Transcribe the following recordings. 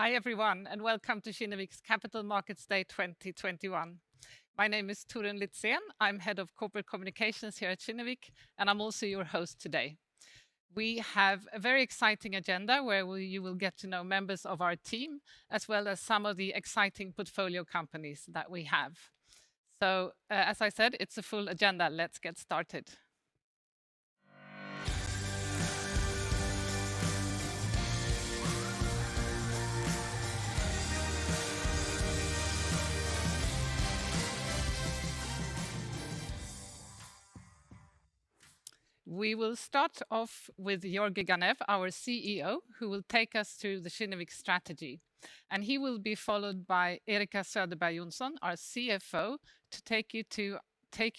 Hi everyone, welcome to Kinnevik's Capital Markets Day 2021. My name is Torun Litzén, I'm head of corporate communications here at Kinnevik, and I'm also your host today. We have a very exciting agenda where you will get to know members of our team, as well as some of the exciting portfolio companies that we have. As I said, it's a full agenda. Let's get started. We will start off with Georgi Ganev, our CEO, who will take us through the Kinnevik strategy, and he will be followed by Erika Söderberg Johnson, our CFO, to take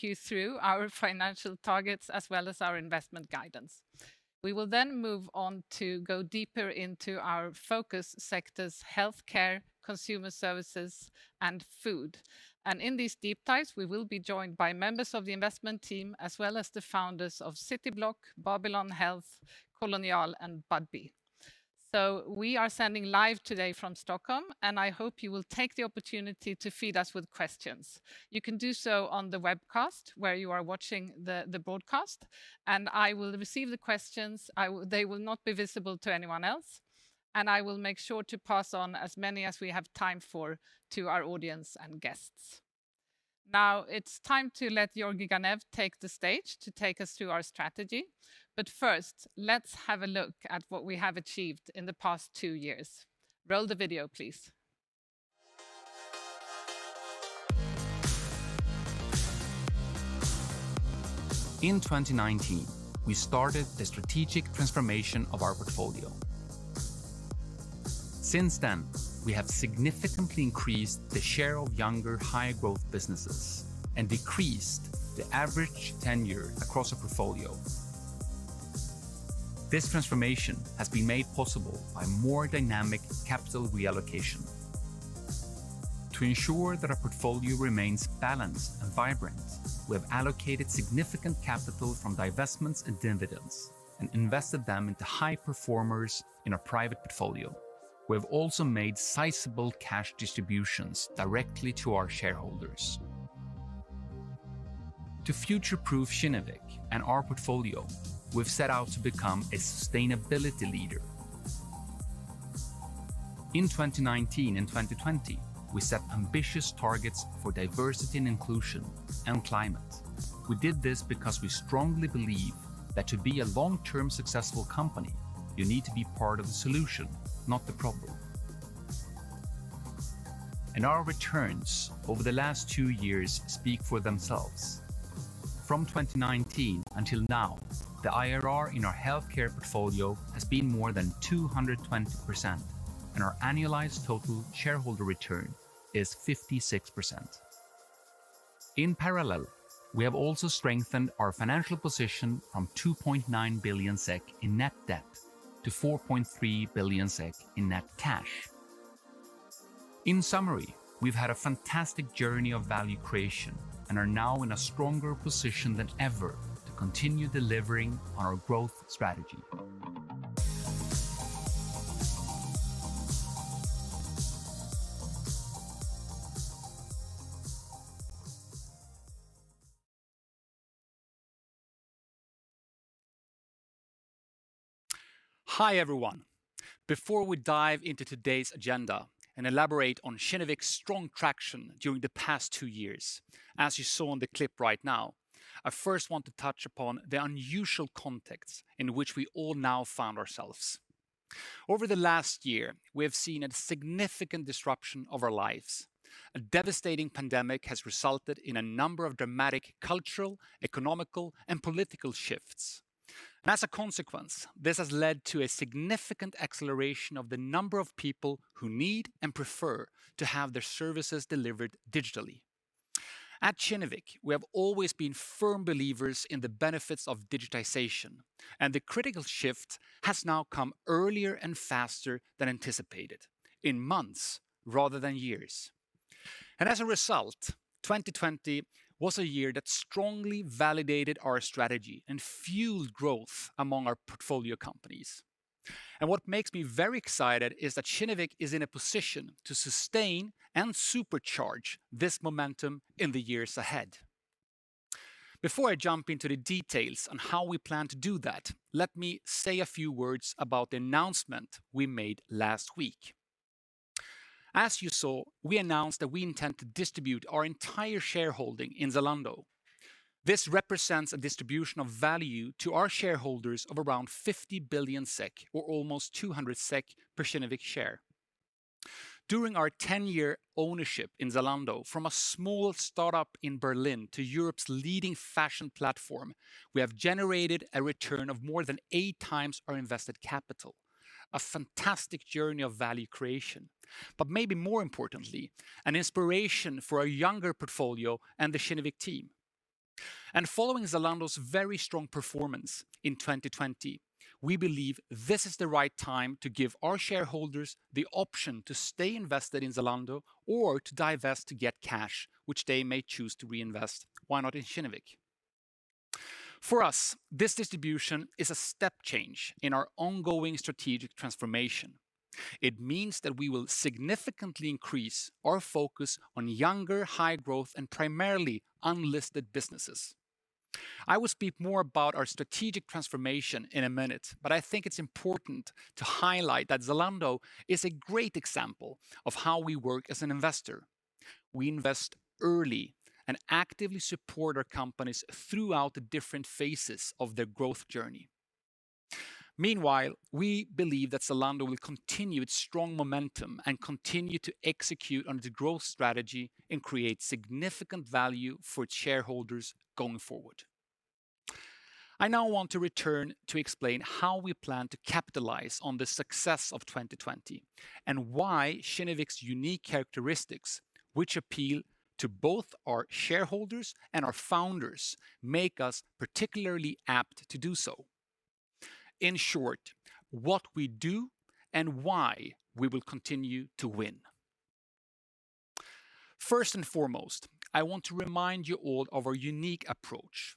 you through our financial targets as well as our investment guidance. We will move on to go deeper into our focus sectors, healthcare, consumer services, and food. In these deep dives, we will be joined by members of the investment team, as well as the founders of Cityblock, Babylon Health, Kolonial, and Budbee. We are sending live today from Stockholm, and I hope you will take the opportunity to feed us with questions. You can do so on the webcast, where you are watching the broadcast, and I will receive the questions. They will not be visible to anyone else, and I will make sure to pass on as many as we have time for to our audience and guests. Now it's time to let Georgi Ganev take the stage to take us through our strategy. First, let's have a look at what we have achieved in the past two years. Roll the video, please. In 2019, we started the strategic transformation of our portfolio. Since then, we have significantly increased the share of younger high growth businesses and decreased the average tenure across our portfolio. This transformation has been made possible by more dynamic capital reallocation. To ensure that our portfolio remains balanced and vibrant, we have allocated significant capital from divestments and dividends and invested them into high performers in our private portfolio. We have also made sizable cash distributions directly to our shareholders. To future-proof Kinnevik and our portfolio, we've set out to become a sustainability leader. In 2019 and 2020, we set ambitious targets for diversity and inclusion and climate. We did this because we strongly believe that to be a long-term successful company, you need to be part of the solution, not the problem. Our returns over the last two years speak for themselves. From 2019 until now, the IRR in our healthcare portfolio has been more than 220%, and our annualized total shareholder return is 56%. In parallel, we have also strengthened our financial position from 2.9 billion SEK in net debt to 4.3 billion SEK in net cash. In summary, we've had a fantastic journey of value creation and are now in a stronger position than ever to continue delivering on our growth strategy. Hi everyone. Before we dive into today's agenda and elaborate on Kinnevik's strong traction during the past two years, as you saw in the clip right now, I first want to touch upon the unusual context in which we all now found ourselves. Over the last year, we have seen a significant disruption of our lives. A devastating pandemic has resulted in a number of dramatic cultural, economical, and political shifts. As a consequence, this has led to a significant acceleration of the number of people who need and prefer to have their services delivered digitally. At Kinnevik, we have always been firm believers in the benefits of digitization, and the critical shift has now come earlier and faster than anticipated, in months rather than years. As a result, 2020 was a year that strongly validated our strategy and fueled growth among our portfolio companies. What makes me very excited is that Kinnevik is in a position to sustain and supercharge this momentum in the years ahead. Before I jump into the details on how we plan to do that, let me say a few words about the announcement we made last week. As you saw, we announced that we intend to distribute our entire shareholding in Zalando. This represents a distribution of value to our shareholders of around 50 billion SEK, or almost 200 SEK per Kinnevik share. During our 10-year ownership in Zalando, from a small startup in Berlin to Europe's leading fashion platform, we have generated a return of more than 8x our invested capital. A fantastic journey of value creation, but maybe more importantly, an inspiration for our younger portfolio and the Kinnevik team. Following Zalando's very strong performance in 2020, we believe this is the right time to give our shareholders the option to stay invested in Zalando or to divest to get cash, which they may choose to reinvest, why not in Kinnevik? For us, this distribution is a step change in our ongoing strategic transformation. It means that we will significantly increase our focus on younger, high-growth, and primarily unlisted businesses. I will speak more about our strategic transformation in a minute, but I think it's important to highlight that Zalando is a great example of how we work as an investor. We invest early and actively support our companies throughout the different phases of their growth journey. Meanwhile, we believe that Zalando will continue its strong momentum and continue to execute on the growth strategy and create significant value for shareholders going forward. I now want to return to explain how we plan to capitalize on the success of 2020 and why Kinnevik's unique characteristics, which appeal to both our shareholders and our founders, make us particularly apt to do so. In short, what we do and why we will continue to win. First and foremost, I want to remind you all of our unique approach.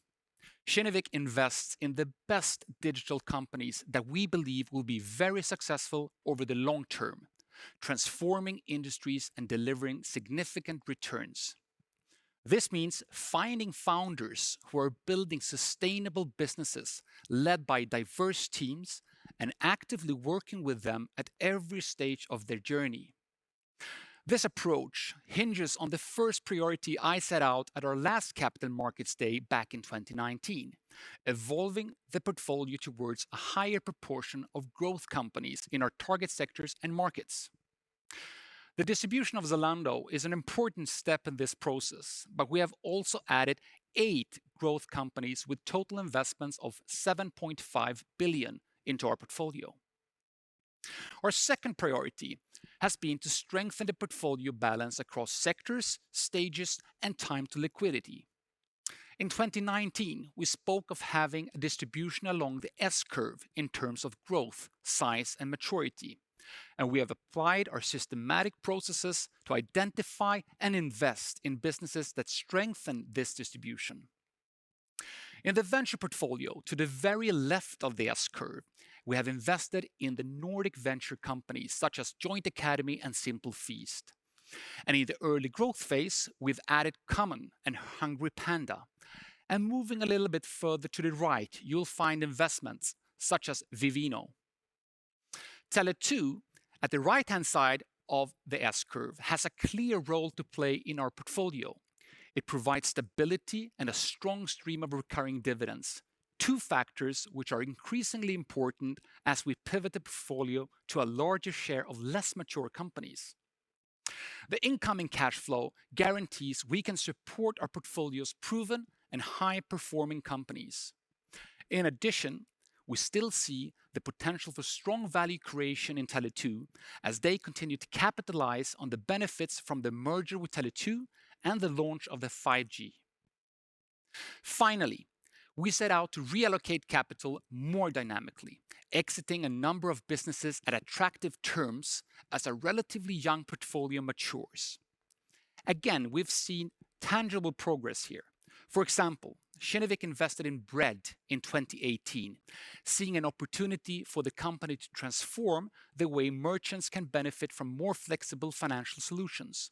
Kinnevik invests in the best digital companies that we believe will be very successful over the long term, transforming industries and delivering significant returns. This means finding founders who are building sustainable businesses led by diverse teams, and actively working with them at every stage of their journey. This approach hinges on the first priority I set out at our last Capital Markets Day back in 2019, evolving the portfolio towards a higher proportion of growth companies in our target sectors and markets. The distribution of Zalando is an important step in this process. We have also added eight growth companies with total investments of 7.5 billion into our portfolio. Our second priority has been to strengthen the portfolio balance across sectors, stages, and time to liquidity. In 2019, we spoke of having a distribution along the S-curve in terms of growth, size, and maturity. We have applied our systematic processes to identify and invest in businesses that strengthen this distribution. In the venture portfolio to the very left of the S-curve, we have invested in the Nordic Venture companies such as Joint Academy and Simple Feast. In the early growth phase, we've added Common and HungryPanda. Moving a little bit further to the right, you'll find investments such as Vivino. Tele2, at the right-hand side of the S-curve, has a clear role to play in our portfolio. It provides stability and a strong stream of recurring dividends. Two factors which are increasingly important as we pivot the portfolio to a larger share of less mature companies. The incoming cash flow guarantees we can support our portfolio's proven and high-performing companies. In addition, we still see the potential for strong value creation in Tele2 as they continue to capitalize on the benefits from the merger with Tele2 and the launch of the 5G. Finally, we set out to reallocate capital more dynamically, exiting a number of businesses at attractive terms as a relatively young portfolio matures. Again, we've seen tangible progress here. For example, Kinnevik invested in Bread in 2018, seeing an opportunity for the company to transform the way merchants can benefit from more flexible financial solutions.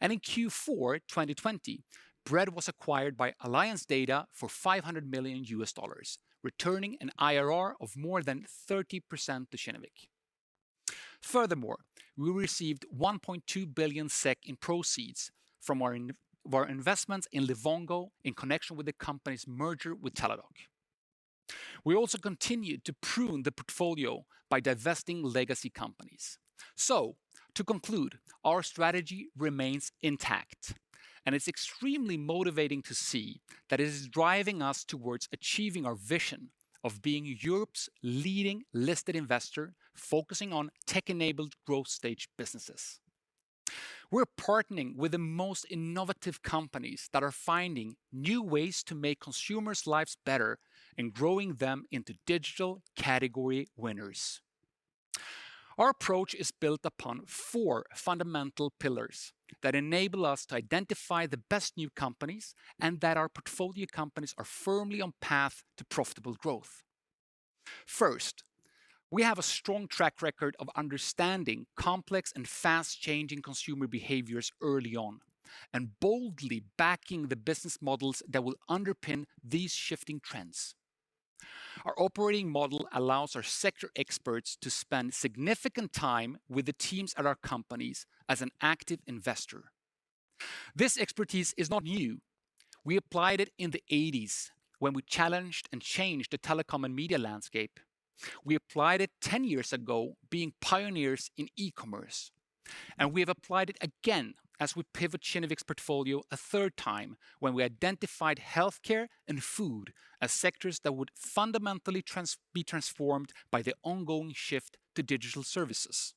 In Q4 2020, Bread was acquired by Alliance Data for $500 million, returning an IRR of more than 30% to Kinnevik. Furthermore, we received 1.2 billion SEK in proceeds from our investments in Livongo in connection with the company's merger with Teladoc. We also continued to prune the portfolio by divesting legacy companies. To conclude, our strategy remains intact, and it's extremely motivating to see that it is driving us towards achieving our vision of being Europe's leading listed investor focusing on tech-enabled growth stage businesses. We're partnering with the most innovative companies that are finding new ways to make consumers' lives better and growing them into digital category winners. Our approach is built upon four fundamental pillars that enable us to identify the best new companies and that our portfolio companies are firmly on path to profitable growth. First, we have a strong track record of understanding complex and fast-changing consumer behaviors early on and boldly backing the business models that will underpin these shifting trends. Our operating model allows our sector experts to spend significant time with the teams at our companies as an active investor. This expertise is not new. We applied it in the '80s when we challenged and changed the telecom and media landscape. We applied it 10 years ago being pioneers in e-commerce, and we have applied it again as we pivot Kinnevik's portfolio a third time when we identified healthcare and food as sectors that would fundamentally be transformed by the ongoing shift to digital services.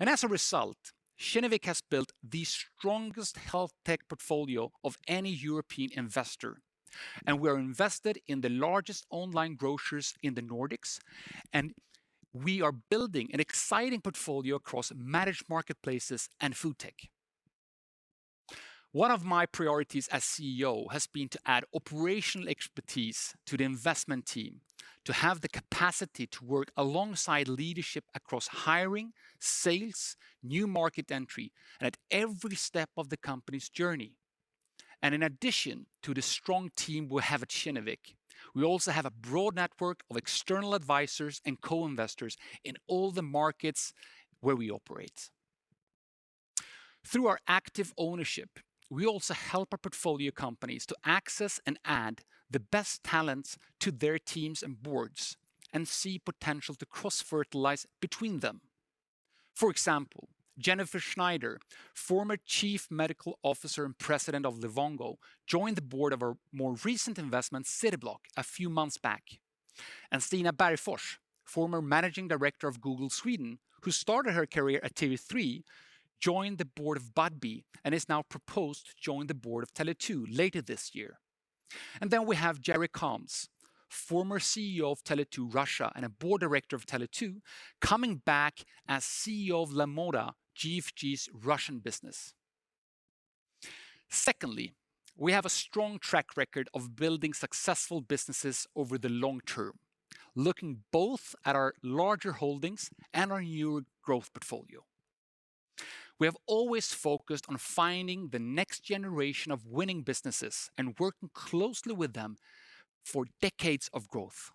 As a result, Kinnevik has built the strongest health tech portfolio of any European investor, and we're invested in the largest online grocers in the Nordics, and we are building an exciting portfolio across managed marketplaces and food tech. One of my priorities as CEO has been to add operational expertise to the investment team to have the capacity to work alongside leadership across hiring, sales, new market entry, and at every step of the company's journey. In addition to the strong team we have at Kinnevik, we also have a broad network of external advisors and co-investors in all the markets where we operate. Through our active ownership, we also help our portfolio companies to access and add the best talents to their teams and boards and see potential to cross-fertilize between them. For example, Jennifer Schneider, former Chief Medical Officer and President of Livongo, joined the board of our more recent investment, Cityblock, a few months back. Stina Bergfors, former Managing Director of Google Sweden, who started her career at TV3, joined the board of Budbee, and is now proposed to join the board of Tele2 later this year. We have Jere Calmes, former CEO of Tele2 Russia and a board director of Tele2, coming back as CEO of Lamoda, GFG's Russian business. Secondly, we have a strong track record of building successful businesses over the long term, looking both at our larger holdings and our newer growth portfolio. We have always focused on finding the next generation of winning businesses and working closely with them for decades of growth.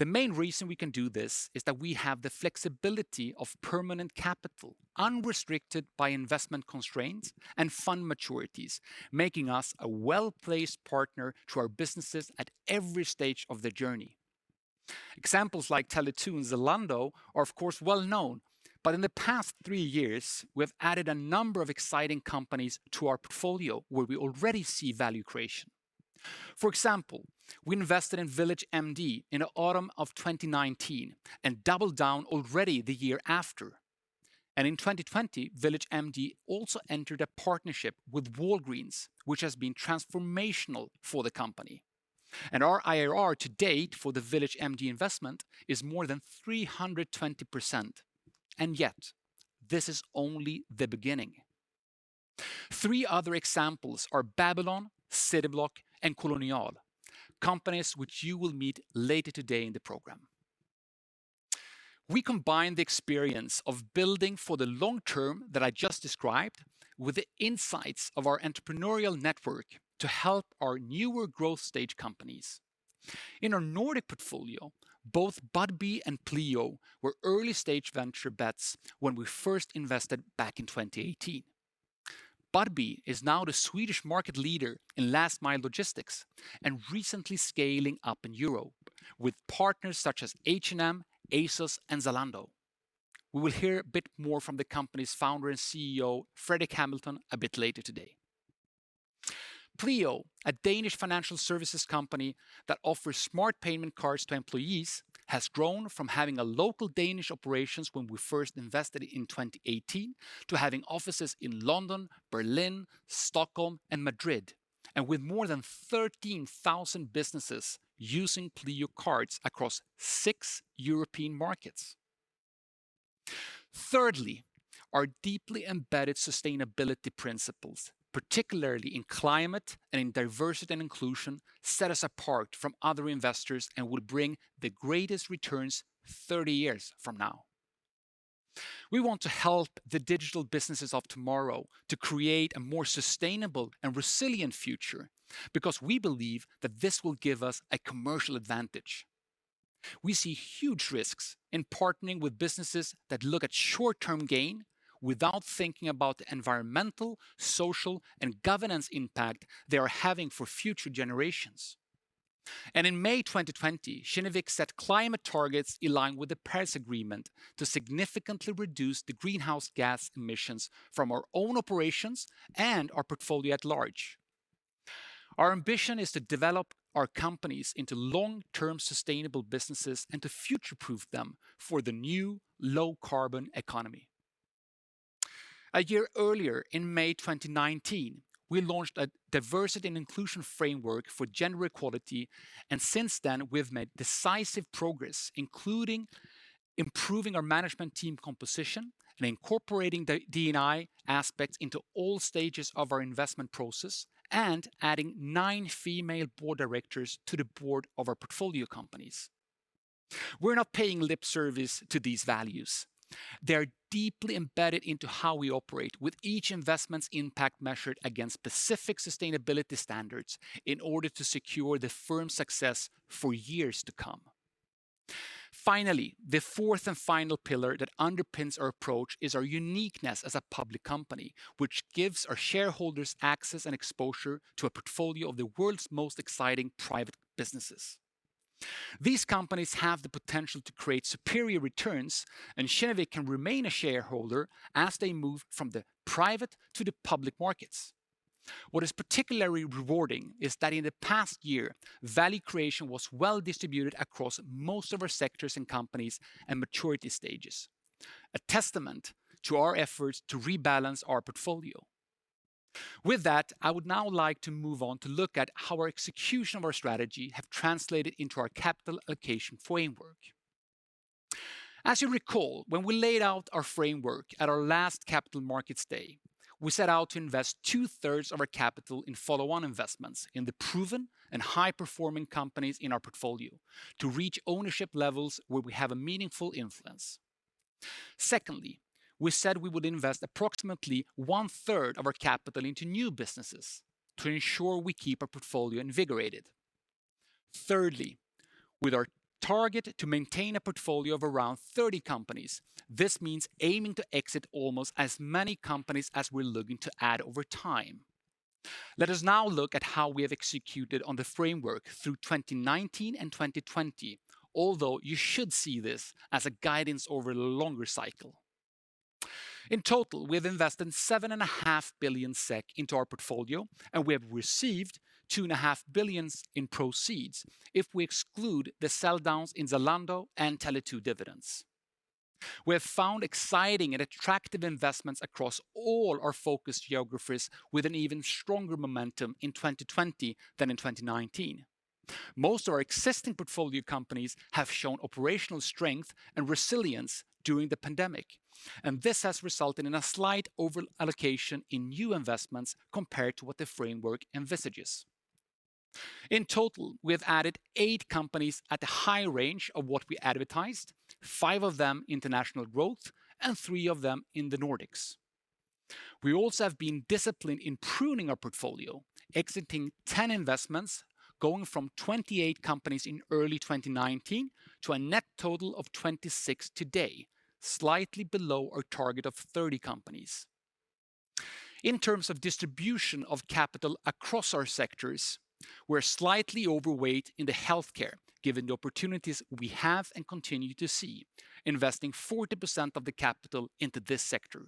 The main reason we can do this is that we have the flexibility of permanent capital, unrestricted by investment constraints and fund maturities, making us a well-placed partner to our businesses at every stage of their journey. Examples like Tele2 and Zalando are of course well known, but in the past three years, we have added a number of exciting companies to our portfolio where we already see value creation. For example, we invested in VillageMD in the autumn of 2019 and doubled down already the year after. In 2020, VillageMD also entered a partnership with Walgreens, which has been transformational for the company. Our IRR to date for the VillageMD investment is more than 320%. Yet, this is only the beginning. Three other examples are Babylon, Cityblock, and Kolonial, companies which you will meet later today in the program. We combine the experience of building for the long term that I just described with the insights of our entrepreneurial network to help our newer growth stage companies. In our Nordic portfolio, both Budbee and Pleo were early-stage venture bets when we first invested back in 2018. Budbee is now the Swedish market leader in last mile logistics and recently scaling up in Europe with partners such as H&M, ASOS, and Zalando. We will hear a bit more from the company's founder and CEO, Fredrik Hamilton, a bit later today. Pleo, a Danish financial services company that offers smart payment cards to employees, has grown from having local Danish operations when we first invested in 2018 to having offices in London, Berlin, Stockholm, and Madrid, and with more than 13,000 businesses using Pleo cards across six European markets. Thirdly, our deeply embedded sustainability principles, particularly in climate and in diversity and inclusion, set us apart from other investors and will bring the greatest returns 30 years from now. We want to help the digital businesses of tomorrow to create a more sustainable and resilient future because we believe that this will give us a commercial advantage. We see huge risks in partnering with businesses that look at short-term gain without thinking about the environmental, social, and governance impact they are having for future generations. In May 2020, Kinnevik set climate targets aligned with the Paris Agreement to significantly reduce the greenhouse gas emissions from our own operations and our portfolio at large. Our ambition is to develop our companies into long-term sustainable businesses and to future-proof them for the new low-carbon economy. A year earlier in May 2019, we launched a diversity and inclusion framework for gender equality, and since then, we've made decisive progress, including improving our management team composition and incorporating the D&I aspects into all stages of our investment process and adding nine female board directors to the board of our portfolio companies. We're not paying lip service to these values. They are deeply embedded into how we operate with each investment's impact measured against specific sustainability standards in order to secure the firm's success for years to come. Finally, the fourth and final pillar that underpins our approach is our uniqueness as a public company, which gives our shareholders access and exposure to a portfolio of the world's most exciting private businesses. These companies have the potential to create superior returns. Kinnevik can remain a shareholder as they move from the private to the public markets. What is particularly rewarding is that in the past year, value creation was well distributed across most of our sectors and companies and maturity stages, a testament to our efforts to rebalance our portfolio. With that, I would now like to move on to look at how our execution of our strategy have translated into our capital allocation framework. As you recall, when we laid out our framework at our last Capital Markets Day, we set out to invest two-thirds of our capital in follow-on investments in the proven and high-performing companies in our portfolio to reach ownership levels where we have a meaningful influence. Secondly, we said we would invest approximately one-third of our capital into new businesses to ensure we keep our portfolio invigorated. Thirdly, with our target to maintain a portfolio of around 30 companies, this means aiming to exit almost as many companies as we're looking to add over time. Let us now look at how we have executed on the framework through 2019 and 2020, although you should see this as a guidance over the longer cycle. In total, we have invested 7.5 billion SEK into our portfolio, and we have received 2.5 billion in proceeds if we exclude the sell downs in Zalando and Tele2 dividends. We have found exciting and attractive investments across all our focus geographies with an even stronger momentum in 2020 than in 2019. Most of our existing portfolio companies have shown operational strength and resilience during the pandemic, and this has resulted in a slight over-allocation in new investments compared to what the framework envisages. In total, we have added eight companies at the high range of what we advertised, five of them international growth, and three of them in the Nordics. We also have been disciplined in pruning our portfolio, exiting 10 investments, going from 28 companies in early 2019 to a net total of 26 today, slightly below our target of 30 companies. In terms of distribution of capital across our sectors, we're slightly overweight in the healthcare, given the opportunities we have and continue to see, investing 40% of the capital into this sector.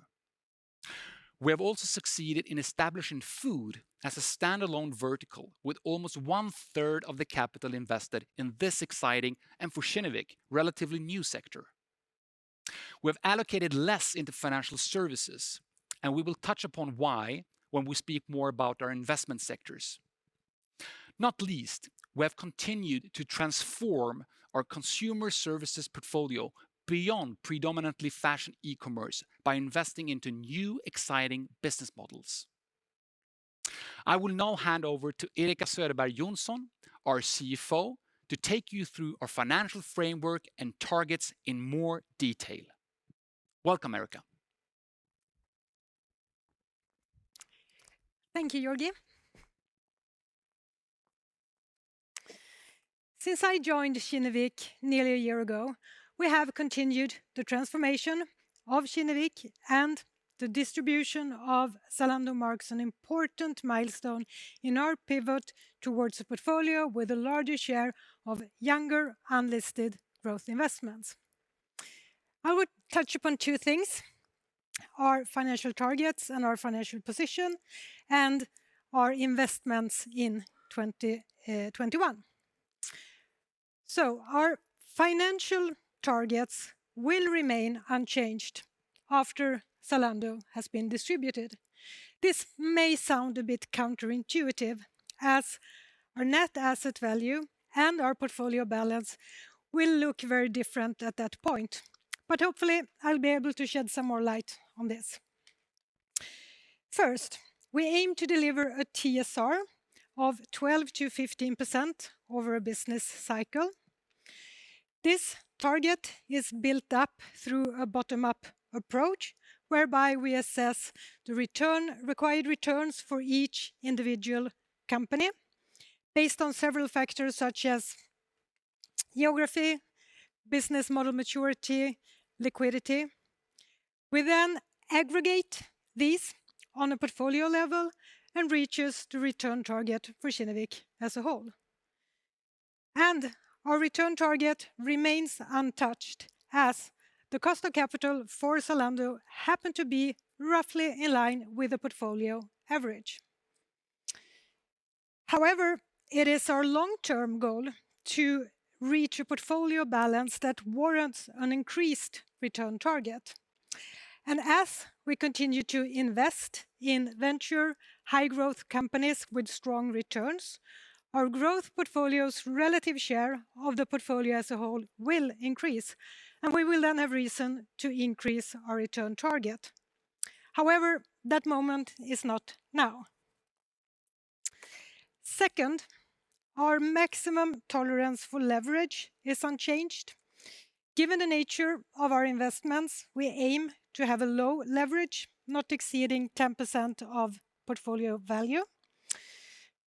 We have also succeeded in establishing food as a standalone vertical, with almost one-third of the capital invested in this exciting and, for Kinnevik, relatively new sector. We have allocated less into financial services, and we will touch upon why when we speak more about our investment sectors. Not least, we have continued to transform our consumer services portfolio beyond predominantly fashion e-commerce by investing into new, exciting business models. I will now hand over to Erika Söderberg Johnson, our CFO, to take you through our financial framework and targets in more detail. Welcome, Erika. Thank you, Georgi. Since I joined Kinnevik nearly a year ago, we have continued the transformation of Kinnevik, and the distribution of Zalando marks an important milestone in our pivot towards a portfolio with a larger share of younger, unlisted growth investments. I would touch upon two things, our financial targets and our financial position, and our investments in 2021. Our financial targets will remain unchanged after Zalando has been distributed. This may sound a bit counterintuitive, as our net asset value and our portfolio balance will look very different at that point, but hopefully, I'll be able to shed some more light on this. First, we aim to deliver a TSR of 12%-15% over a business cycle. This target is built up through a bottom-up approach, whereby we assess the required returns for each individual company based on several factors such as geography, business model maturity, liquidity. We then aggregate these on a portfolio level and reaches the return target for Kinnevik as a whole. Our return target remains untouched, as the cost of capital for Zalando happened to be roughly in line with the portfolio average. However, it is our long-term goal to reach a portfolio balance that warrants an increased return target. As we continue to invest in venture high-growth companies with strong returns, our growth portfolio's relative share of the portfolio as a whole will increase, and we will then have reason to increase our return target. However, that moment is not now. Second, our maximum tolerance for leverage is unchanged. Given the nature of our investments, we aim to have a low leverage, not exceeding 10% of portfolio value.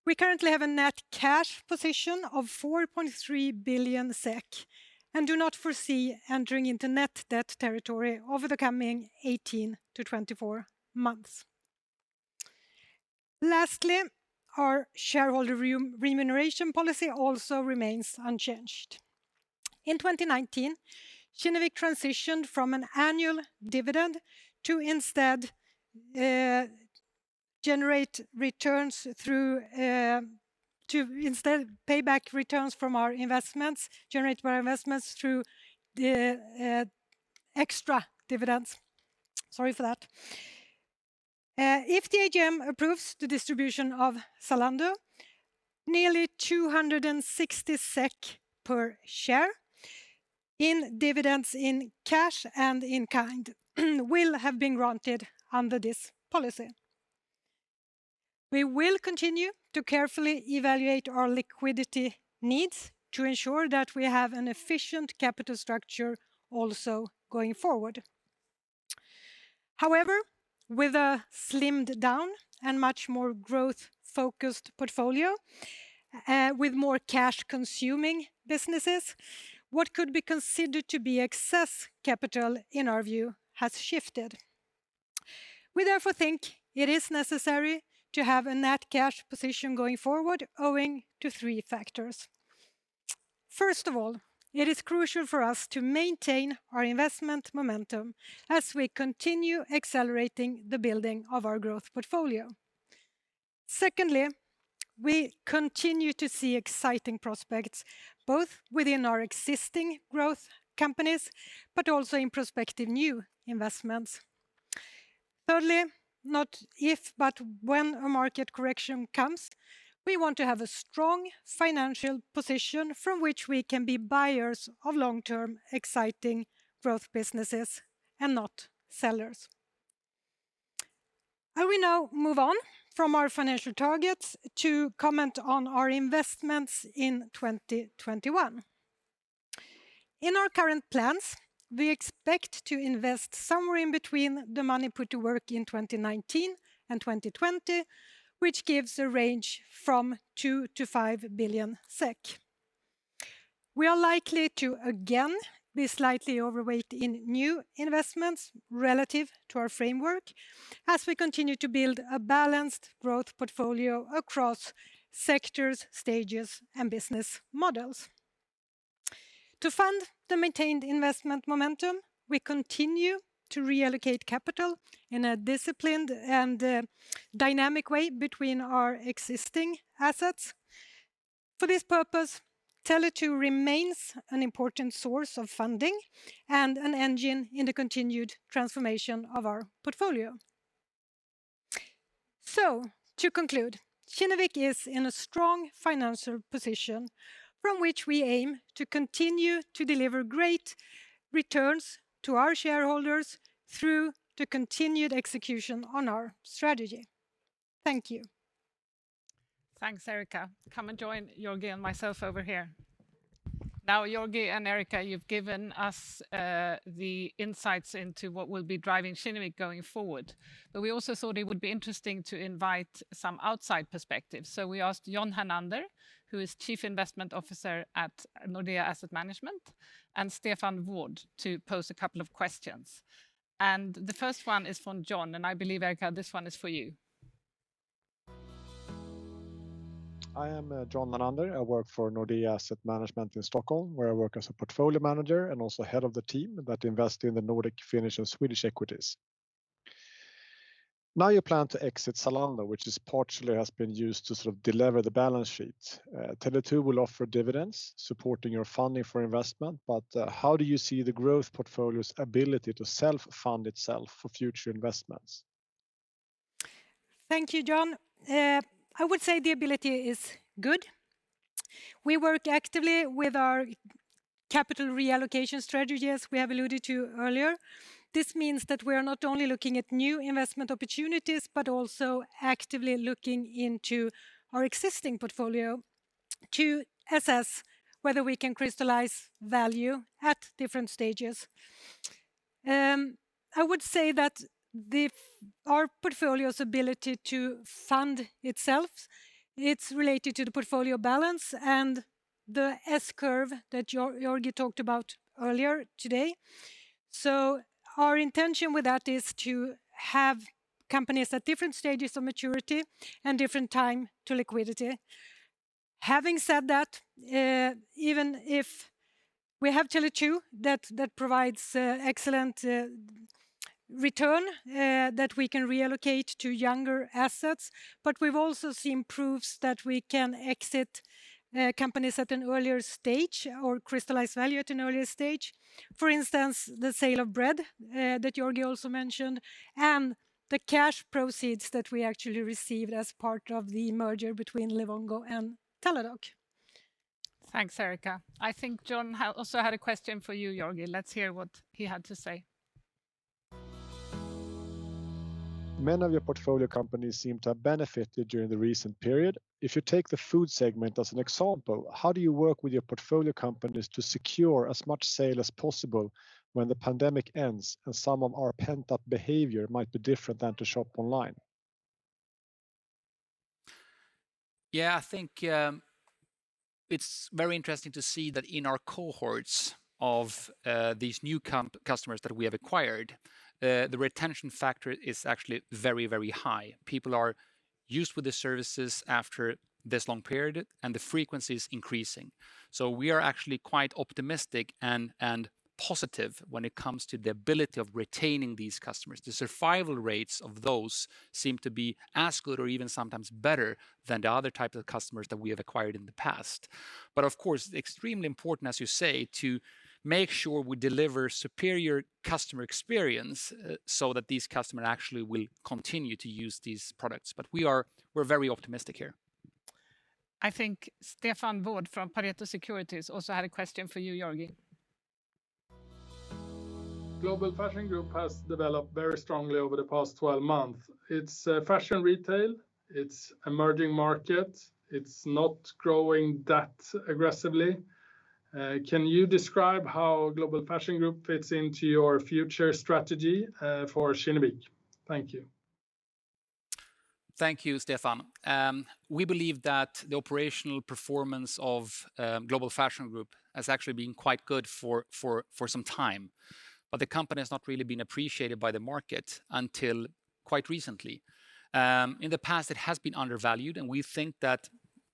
We currently have a net cash position of 4.3 billion SEK and do not foresee entering into net debt territory over the coming 18 to 24 months. Lastly, our shareholder remuneration policy also remains unchanged. In 2019, Kinnevik transitioned from an annual dividend to instead pay back returns from our investments, generate more investments through the extra dividends. Sorry for that. If the AGM approves the distribution of Zalando, nearly 260 SEK per share in dividends in cash and in kind will have been granted under this policy. We will continue to carefully evaluate our liquidity needs to ensure that we have an efficient capital structure also going forward. However, with a slimmed down and much more growth focused portfolio, with more cash consuming businesses, what could be considered to be excess capital in our view has shifted. We therefore think it is necessary to have a net cash position going forward owing to three factors. First of all, it is crucial for us to maintain our investment momentum as we continue accelerating the building of our growth portfolio. Secondly, we continue to see exciting prospects both within our existing growth companies, but also in prospective new investments. Thirdly, not if but when a market correction comes, we want to have a strong financial position from which we can be buyers of long-term exciting growth businesses and not sellers. I will now move on from our financial targets to comment on our investments in 2021. In our current plans, we expect to invest somewhere in between the money put to work in 2019 and 2020 which gives a range from 2 billion-5 billion SEK. We are likely to again be slightly overweight in new investments relative to our framework as we continue to build a balanced growth portfolio across sectors, stages, and business models. To fund the maintained investment momentum, we continue to reallocate capital in a disciplined and dynamic way between our existing assets. For this purpose, Tele2 remains an important source of funding and an engine in the continued transformation of our portfolio. To conclude, Kinnevik is in a strong financial position from which we aim to continue to deliver great returns to our shareholders through the continued execution on our strategy. Thank you. Thanks, Erika. Come and join Georgi and myself over here. Georgi and Erika, you've given us the insights into what will be driving Kinnevik going forward. We also thought it would be interesting to invite some outside perspectives. We asked John Hernander, who is Chief Investment Officer at Nordea Asset Management, and Stefan Wård to pose a couple of questions. The first one is from John, and I believe, Erika, this one is for you. I am John Hernander. I work for Nordea Asset Management in Stockholm, where I work as a portfolio manager and also head of the team that invest in the Nordic Finnish and Swedish equities. You plan to exit Zalando, which partially has been used to sort of deliver the balance sheet. Tele2 will offer dividends supporting your funding for investment, how do you see the growth portfolio's ability to self-fund itself for future investments? Thank you, John. I would say the ability is good. We work actively with our capital reallocation strategy, as we have alluded to earlier. This means that we are not only looking at new investment opportunities, but also actively looking into our existing portfolio to assess whether we can crystallize value at different stages. I would say that our portfolio's ability to fund itself, it's related to the portfolio balance and the S-curve that Georgi talked about earlier today. Our intention with that is to have companies at different stages of maturity and different time to liquidity. Having said that, even if we have Tele2 that provides excellent return that we can reallocate to younger assets. We've also seen proofs that we can exit companies at an earlier stage or crystallize value at an earlier stage. For instance, the sale of Bread that Georgi also mentioned, and the cash proceeds that we actually received as part of the merger between Livongo and Teladoc. Thanks, Erika. I think John also had a question for you, Georgi. Let's hear what he had to say. Many of your portfolio companies seem to have benefited during the recent period. If you take the food segment as an example, how do you work with your portfolio companies to secure as much sale as possible when the pandemic ends and some of our pent-up behavior might be different than to shop online? Yeah, I think it's very interesting to see that in our cohorts of these new customers that we have acquired, the retention factor is actually very high. People are used to the services after this long period, and the frequency is increasing. We are actually quite optimistic and positive when it comes to the ability of retaining these customers. The survival rates of those seem to be as good or even sometimes better than the other type of customers that we have acquired in the past. Of course, extremely important, as you say, to make sure we deliver superior customer experience so that these customers actually will continue to use these products. We're very optimistic here. I think Stefan Wård from Pareto Securities also had a question for you, Georgi. Global Fashion Group has developed very strongly over the past 12 months. It's fashion retail, it's emerging markets. It's not growing that aggressively. Can you describe how Global Fashion Group fits into your future strategy for Kinnevik? Thank you. Thank you, Stefan. We believe that the operational performance of Global Fashion Group has actually been quite good for some time, but the company has not really been appreciated by the market until quite recently. In the past, it has been undervalued, and we think that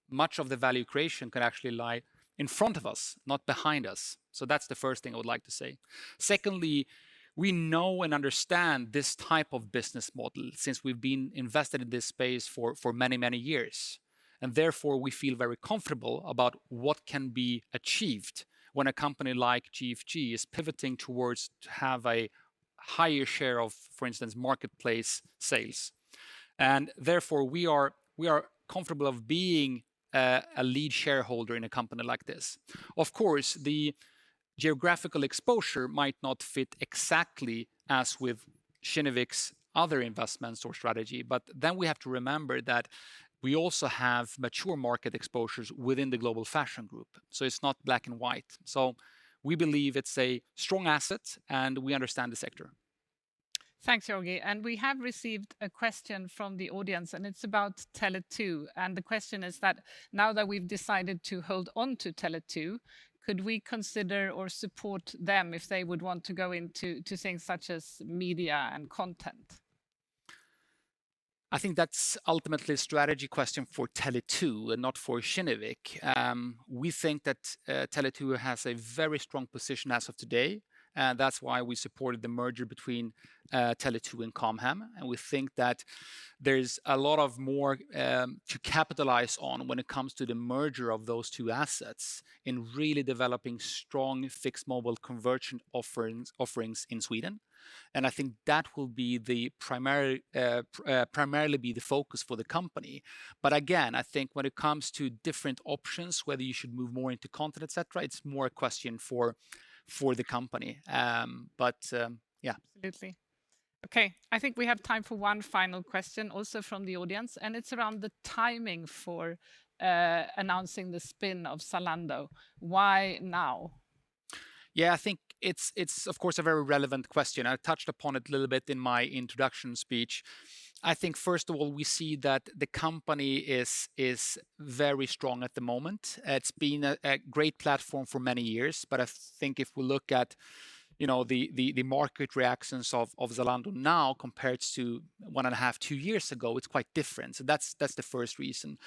much of the value creation could actually lie in front of us, not behind us. That's the first thing I would like to say. Secondly, we know and understand this type of business model since we've been invested in this space for many years. Therefore, we feel very comfortable about what can be achieved when a company like GFG is pivoting towards to have a higher share of, for instance, marketplace sales. Therefore, we are comfortable of being a lead shareholder in a company like this. The geographical exposure might not fit exactly as with Kinnevik's other investments or strategy. We have to remember that we also have mature market exposures within the Global Fashion Group. It's not black and white. We believe it's a strong asset, and we understand the sector. Thanks, Georgi. We have received a question from the audience, and it's about Tele2. The question is that now that we've decided to hold on to Tele2, could we consider or support them if they would want to go into things such as media and content? I think that's ultimately a strategy question for Tele2 and not for Kinnevik. We think that Tele2 has a very strong position as of today, and that's why we supported the merger between Tele2 and Com Hem. We think that there's a lot more to capitalize on when it comes to the merger of those two assets in really developing strong fixed mobile convergent offerings in Sweden. I think that will primarily be the focus for the company. Again, I think when it comes to different options, whether you should move more into content, et cetera, it's more a question for the company. Absolutely. Okay. I think we have time for one final question, also from the audience. It's around the timing for announcing the spin of Zalando. Why now? Yeah, I think it's of course a very relevant question. I touched upon it a little bit in my introduction speech. I think first of all, we see that the company is very strong at the moment. It's been a great platform for many years, but I think if we look at the market reactions of Zalando now compared to one and a half, two years ago, it's quite different. That's the first reason.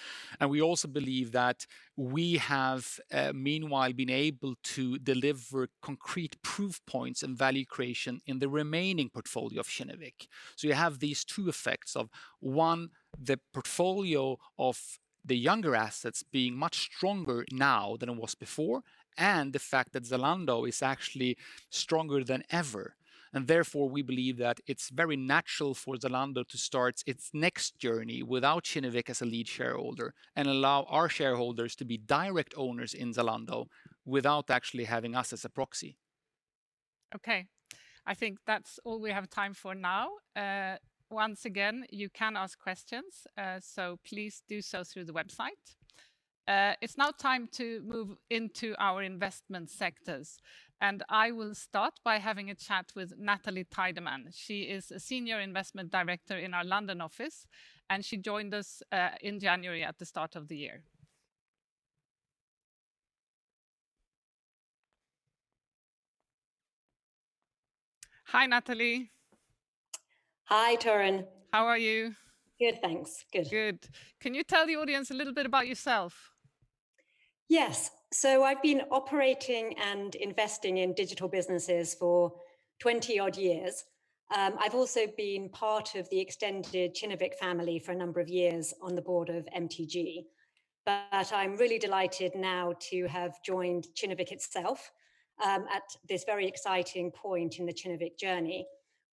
We also believe that we have meanwhile been able to deliver concrete proof points and value creation in the remaining portfolio of Kinnevik. You have these two effects of, one, the portfolio of the younger assets being much stronger now than it was before, and the fact that Zalando is actually stronger than ever. Therefore, we believe that it's very natural for Zalando to start its next journey without Kinnevik as a lead shareholder and allow our shareholders to be direct owners in Zalando without actually having us as a proxy. Okay. I think that's all we have time for now. You can ask questions, please do so through the website. It's now time to move into our investment sectors. I will start by having a chat with Natalie Tydeman. She is a senior investment director in our London office. She joined us in January at the start of the year. Hi, Natalie. Hi, Torun. How are you? Good, thanks. Good. Good. Can you tell the audience a little bit about yourself? Yes. I've been operating and investing in digital businesses for 20-odd years. I've also been part of the extended Kinnevik family for a number of years on the board of MTG. I'm really delighted now to have joined Kinnevik itself at this very exciting point in the Kinnevik journey,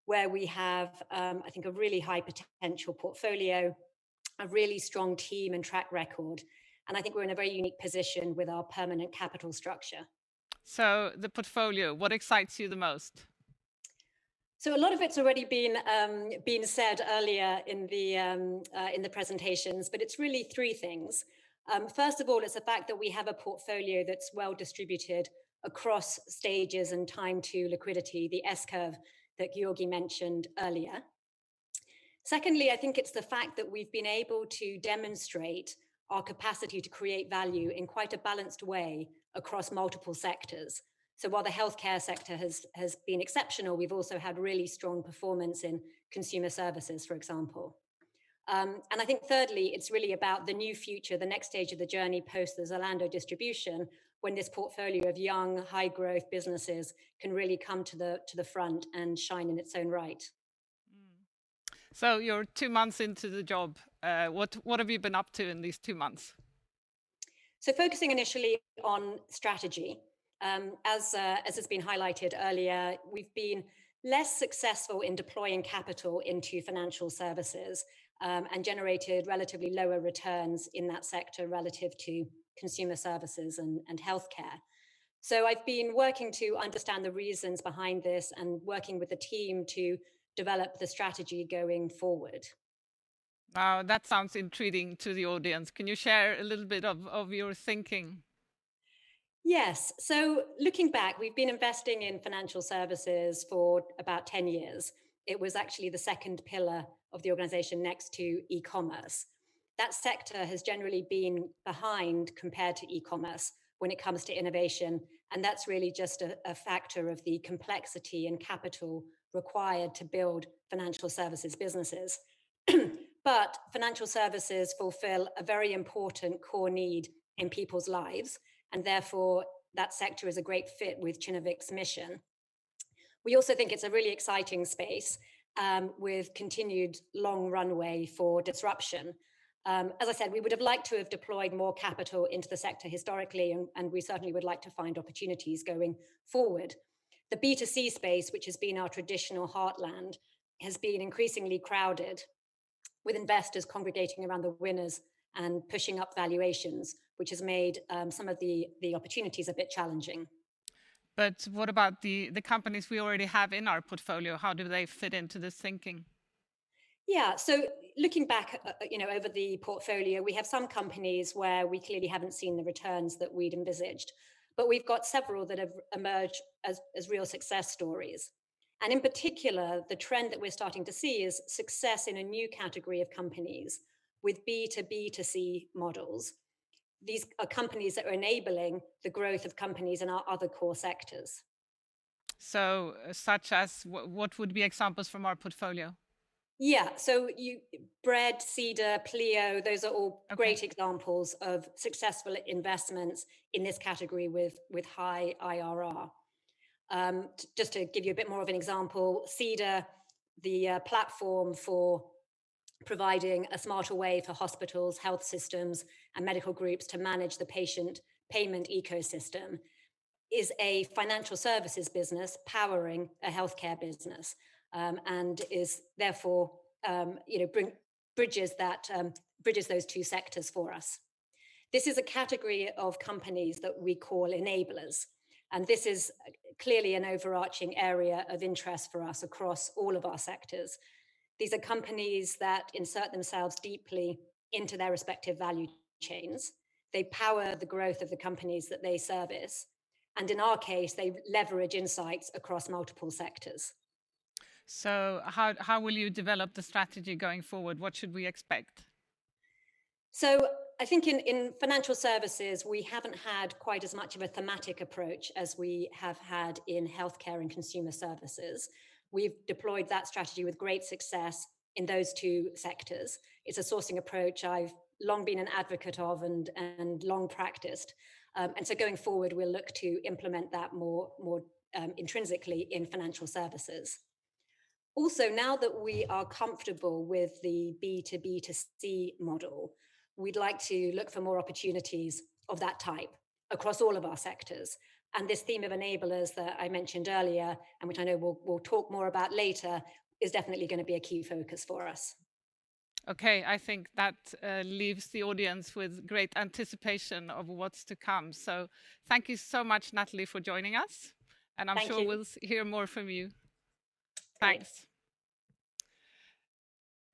where we have, I think, a really high potential portfolio, a really strong team and track record, and I think we're in a very unique position with our permanent capital structure. The portfolio, what excites you the most? A lot of it's already been said earlier in the presentations, but it's really three things. First of all, it's the fact that we have a portfolio that's well distributed across stages and time to liquidity, the S-curve that Georgi mentioned earlier. Secondly, I think it's the fact that we've been able to demonstrate our capacity to create value in quite a balanced way across multiple sectors. While the healthcare sector has been exceptional, we've also had really strong performance in consumer services, for example. I think thirdly, it's really about the new future, the next stage of the journey post the Zalando distribution, when this portfolio of young, high growth businesses can really come to the front and shine in its own right. You're two months into the job. What have you been up to in these two months? Focusing initially on strategy. As has been highlighted earlier, we've been less successful in deploying capital into financial services, and generated relatively lower returns in that sector relative to consumer services and healthcare. I've been working to understand the reasons behind this and working with the team to develop the strategy going forward. Wow, that sounds intriguing to the audience. Can you share a little bit of your thinking? Yes. Looking back, we've been investing in financial services for about 10 years. It was actually the second pillar of the organization next to e-commerce. That sector has generally been behind compared to e-commerce when it comes to innovation, and that's really just a factor of the complexity and capital required to build financial services businesses. Financial services fulfill a very important core need in people's lives, and therefore, that sector is a great fit with Kinnevik's mission. We also think it's a really exciting space with continued long runway for disruption. As I said, we would have liked to have deployed more capital into the sector historically, and we certainly would like to find opportunities going forward. The B2C space, which has been our traditional heartland, has been increasingly crowded with investors congregating around the winners and pushing up valuations, which has made some of the opportunities a bit challenging. What about the companies we already have in our portfolio? How do they fit into this thinking? Yeah. Looking back over the portfolio, we have some companies where we clearly haven't seen the returns that we'd envisaged, but we've got several that have emerged as real success stories. In particular, the trend that we're starting to see is success in a new category of companies with B2B2C models. These are companies that are enabling the growth of companies in our other core sectors. What would be examples from our portfolio? Bread, Cedar, Pleo, those are all great examples of successful investments in this category with high IRR. Just to give you a bit more of an example, Cedar, the platform for providing a smarter way for hospitals, health systems, and medical groups to manage the patient payment ecosystem, is a financial services business powering a healthcare business, and therefore bridges those two sectors for us. This is a category of companies that we call enablers, and this is clearly an overarching area of interest for us across all of our sectors. These are companies that insert themselves deeply into their respective value chains. They power the growth of the companies that they service, and in our case, they leverage insights across multiple sectors. How will you develop the strategy going forward? What should we expect? I think in financial services, we haven't had quite as much of a thematic approach as we have had in healthcare and consumer services. We've deployed that strategy with great success in those two sectors. It's a sourcing approach I've long been an advocate of and long practiced. Going forward, we'll look to implement that more intrinsically in financial services. Now that we are comfortable with the B2B2C model, we'd like to look for more opportunities of that type across all of our sectors. This theme of enablers that I mentioned earlier, and which I know we'll talk more about later, is definitely going to be a key focus for us. Okay. I think that leaves the audience with great anticipation of what's to come. Thank you so much, Natalie, for joining us. Thank you. I'm sure we'll hear more from you. Thanks.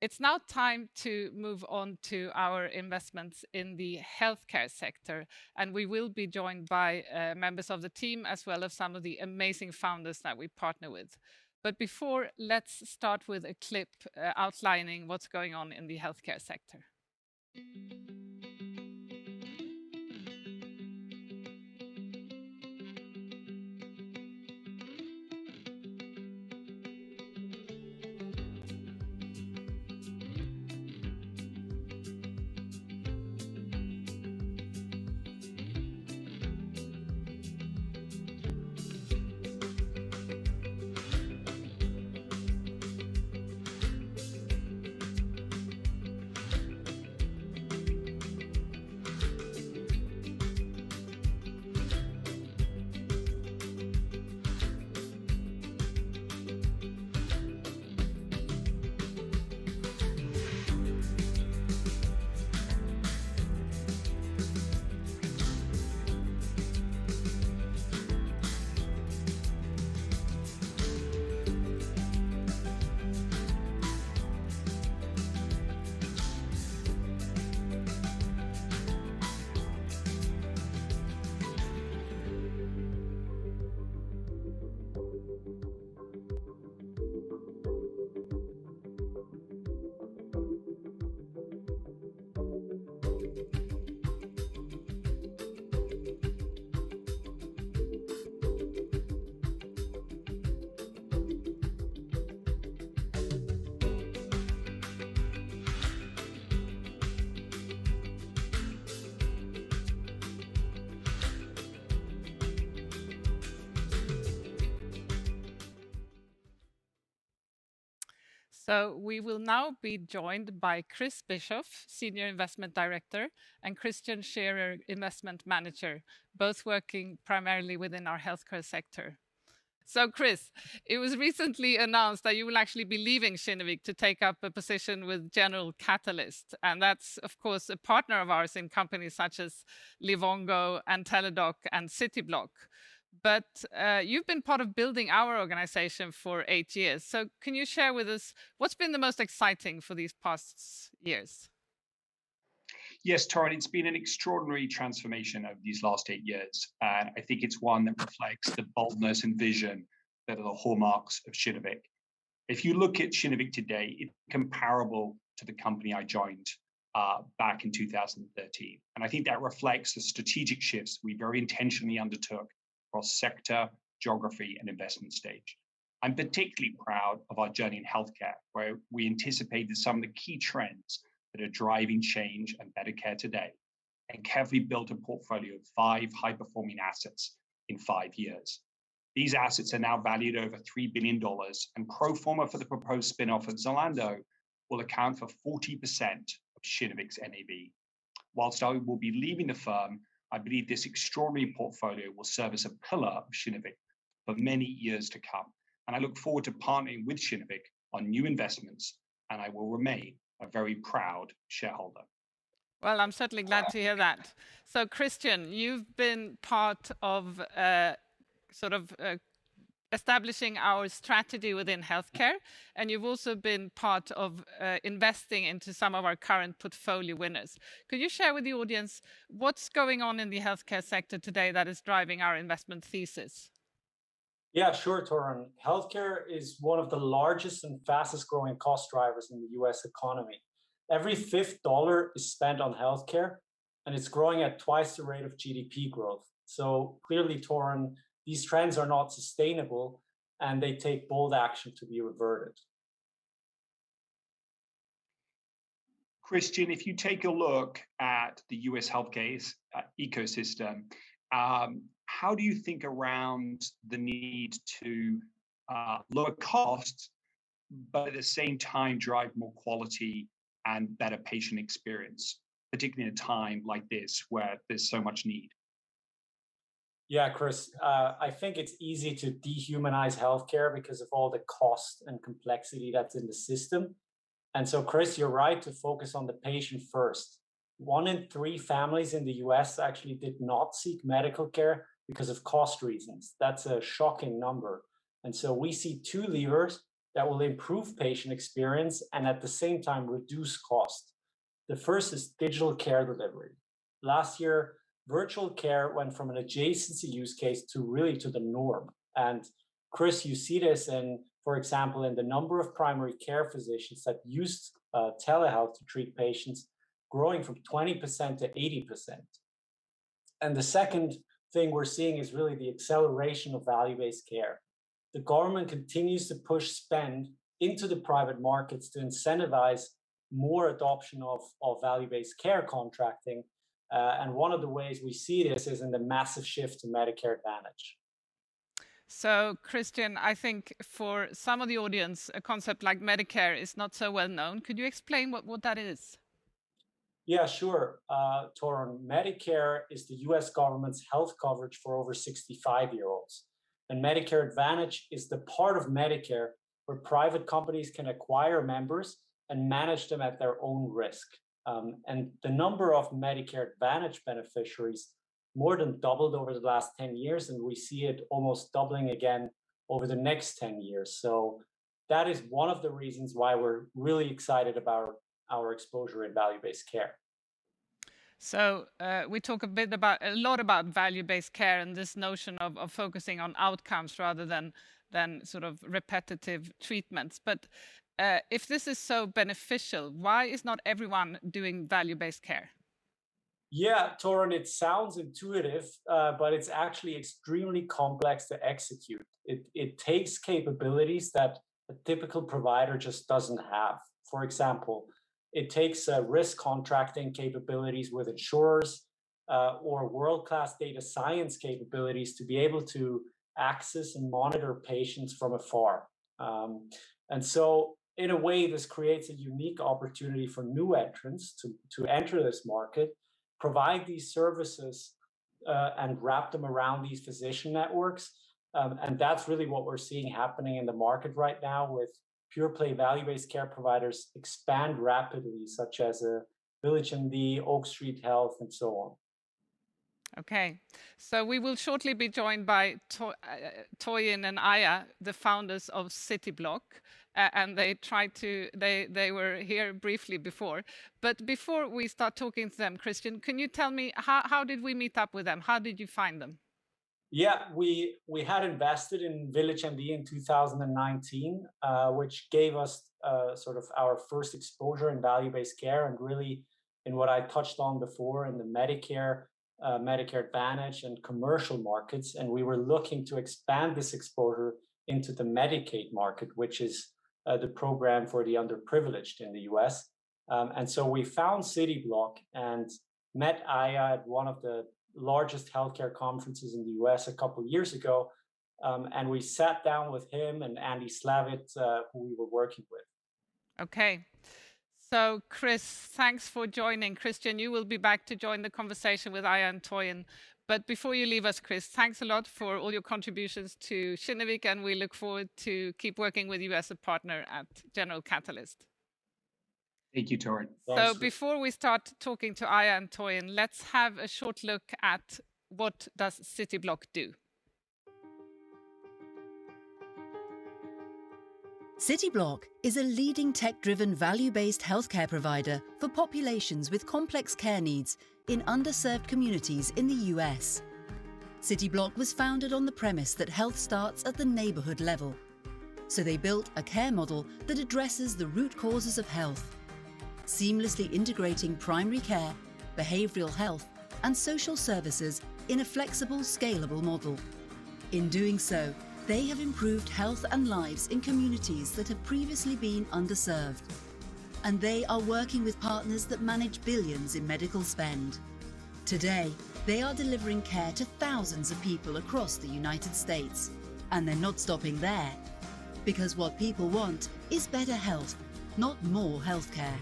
It's now time to move on to our investments in the healthcare sector, and we will be joined by members of the team, as well as some of the amazing founders that we partner with. Before, let's start with a clip outlining what's going on in the healthcare sector. We will now be joined by Chris Bischoff, senior investment director, and Christian Scherrer, investment manager, both working primarily within our healthcare sector. Chris, it was recently announced that you will actually be leaving Kinnevik to take up a position with General Catalyst, and that's, of course, a partner of ours in companies such as Livongo and Teladoc and Cityblock. You've been part of building our organization for eight years. Can you share with us what's been the most exciting for these past years? Yes, Torun. It's been an extraordinary transformation over these last eight years, and I think it's one that reflects the boldness and vision that are the hallmarks of Kinnevik. If you look at Kinnevik today, it's comparable to the company I joined back in 2013, and I think that reflects the strategic shifts we very intentionally undertook across sector, geography, and investment stage. I'm particularly proud of our journey in healthcare, where we anticipated some of the key trends that are driving change and better care today and carefully built a portfolio of five high-performing assets in five years. These assets are now valued over $3 billion, and pro forma for the proposed spin-off of Zalando will account for 40% of Kinnevik's NAV. Whilst I will be leaving the firm, I believe this extraordinary portfolio will serve as a pillar of Kinnevik for many years to come, and I look forward to partnering with Kinnevik on new investments, and I will remain a very proud shareholder. I'm certainly glad to hear that. Christian, you've been part of establishing our strategy within healthcare, and you've also been part of investing into some of our current portfolio winners. Could you share with the audience what's going on in the healthcare sector today that is driving our investment thesis? Yeah, sure, Torun. Healthcare is one of the largest and fastest-growing cost drivers in the U.S. economy. Every fifth dollar is spent on healthcare, and it's growing at twice the rate of GDP growth. Clearly, Torun, these trends are not sustainable, and they take bold action to be reverted. Christian, if you take a look at the U.S. healthcare ecosystem, how do you think around the need to lower costs, but at the same time drive more quality and better patient experience, particularly in a time like this where there's so much need? Yeah, Chris. I think it's easy to dehumanize healthcare because of all the cost and complexity that's in the system. Chris, you're right to focus on the patient first. One in three families in the U.S. actually did not seek medical care because of cost reasons. That's a shocking number. We see two levers that will improve patient experience and at the same time reduce cost. The first is digital care delivery. Last year, virtual care went from an adjacency use case to really to the norm. Chris, you see this in, for example, in the number of primary care physicians that used telehealth to treat patients growing from 20% to 80%. The second thing we're seeing is really the acceleration of value-based care. The government continues to push spend into the private markets to incentivize more adoption of value-based care contracting. One of the ways we see this is in the massive shift to Medicare Advantage. Christian, I think for some of the audience, a concept like Medicare is not so well known. Could you explain what that is? Yeah, sure, Torun. Medicare is the U.S. government's health coverage for over 65-year-olds. Medicare Advantage is the part of Medicare where private companies can acquire members and manage them at their own risk. The number of Medicare Advantage beneficiaries more than doubled over the last 10 years. We see it almost doubling again over the next 10 years. That is one of the reasons why we're really excited about our exposure in value-based care. We talk a lot about value-based care and this notion of focusing on outcomes rather than repetitive treatments. If this is so beneficial, why is not everyone doing value-based care? Yeah, Torun, it sounds intuitive, but it's actually extremely complex to execute. It takes capabilities that a typical provider just doesn't have. For example, it takes risk contracting capabilities with insurers or world-class data science capabilities to be able to access and monitor patients from afar. In a way, this creates a unique opportunity for new entrants to enter this market, provide these services, and wrap them around these physician networks, and that's really what we're seeing happening in the market right now with pure-play value-based care providers expand rapidly, such as VillageMD, Oak Street Health, and so on. Okay. We will shortly be joined by Toyin and Iyah, the founders of Cityblock, and they were here briefly before. Before we start talking to them, Christian, can you tell me how did we meet up with them? How did you find them? Yeah. We had invested in VillageMD in 2019, which gave us our first exposure in value-based care and really in what I touched on before in the Medicare Advantage and commercial markets. We were looking to expand this exposure into the Medicaid market, which is the program for the underprivileged in the U.S. We found Cityblock and met Iyah at one of the largest healthcare conferences in the U.S. a couple of years ago, and we sat down with him and Andy Slavitt, who we were working with. Chris, thanks for joining. Christian, you will be back to join the conversation with Iyah and Toyin. Before you leave us, Chris, thanks a lot for all your contributions to Kinnevik, and we look forward to keep working with you as a partner at General Catalyst. Thank you, Torun. Before we start talking to Iyah and Toyin, let's have a short look at what does Cityblock do? Cityblock is a leading tech-driven, value-based healthcare provider for populations with complex care needs in underserved communities in the U.S. Cityblock was founded on the premise that health starts at the neighborhood level. They built a care model that addresses the root causes of health, seamlessly integrating primary care, behavioral health, and social services in a flexible, scalable model. In doing so, they have improved health and lives in communities that have previously been underserved. They are working with partners that manage billions in medical spend. Today, they are delivering care to thousands of people across the United States. They're not stopping there, because what people want is better health, not more healthcare.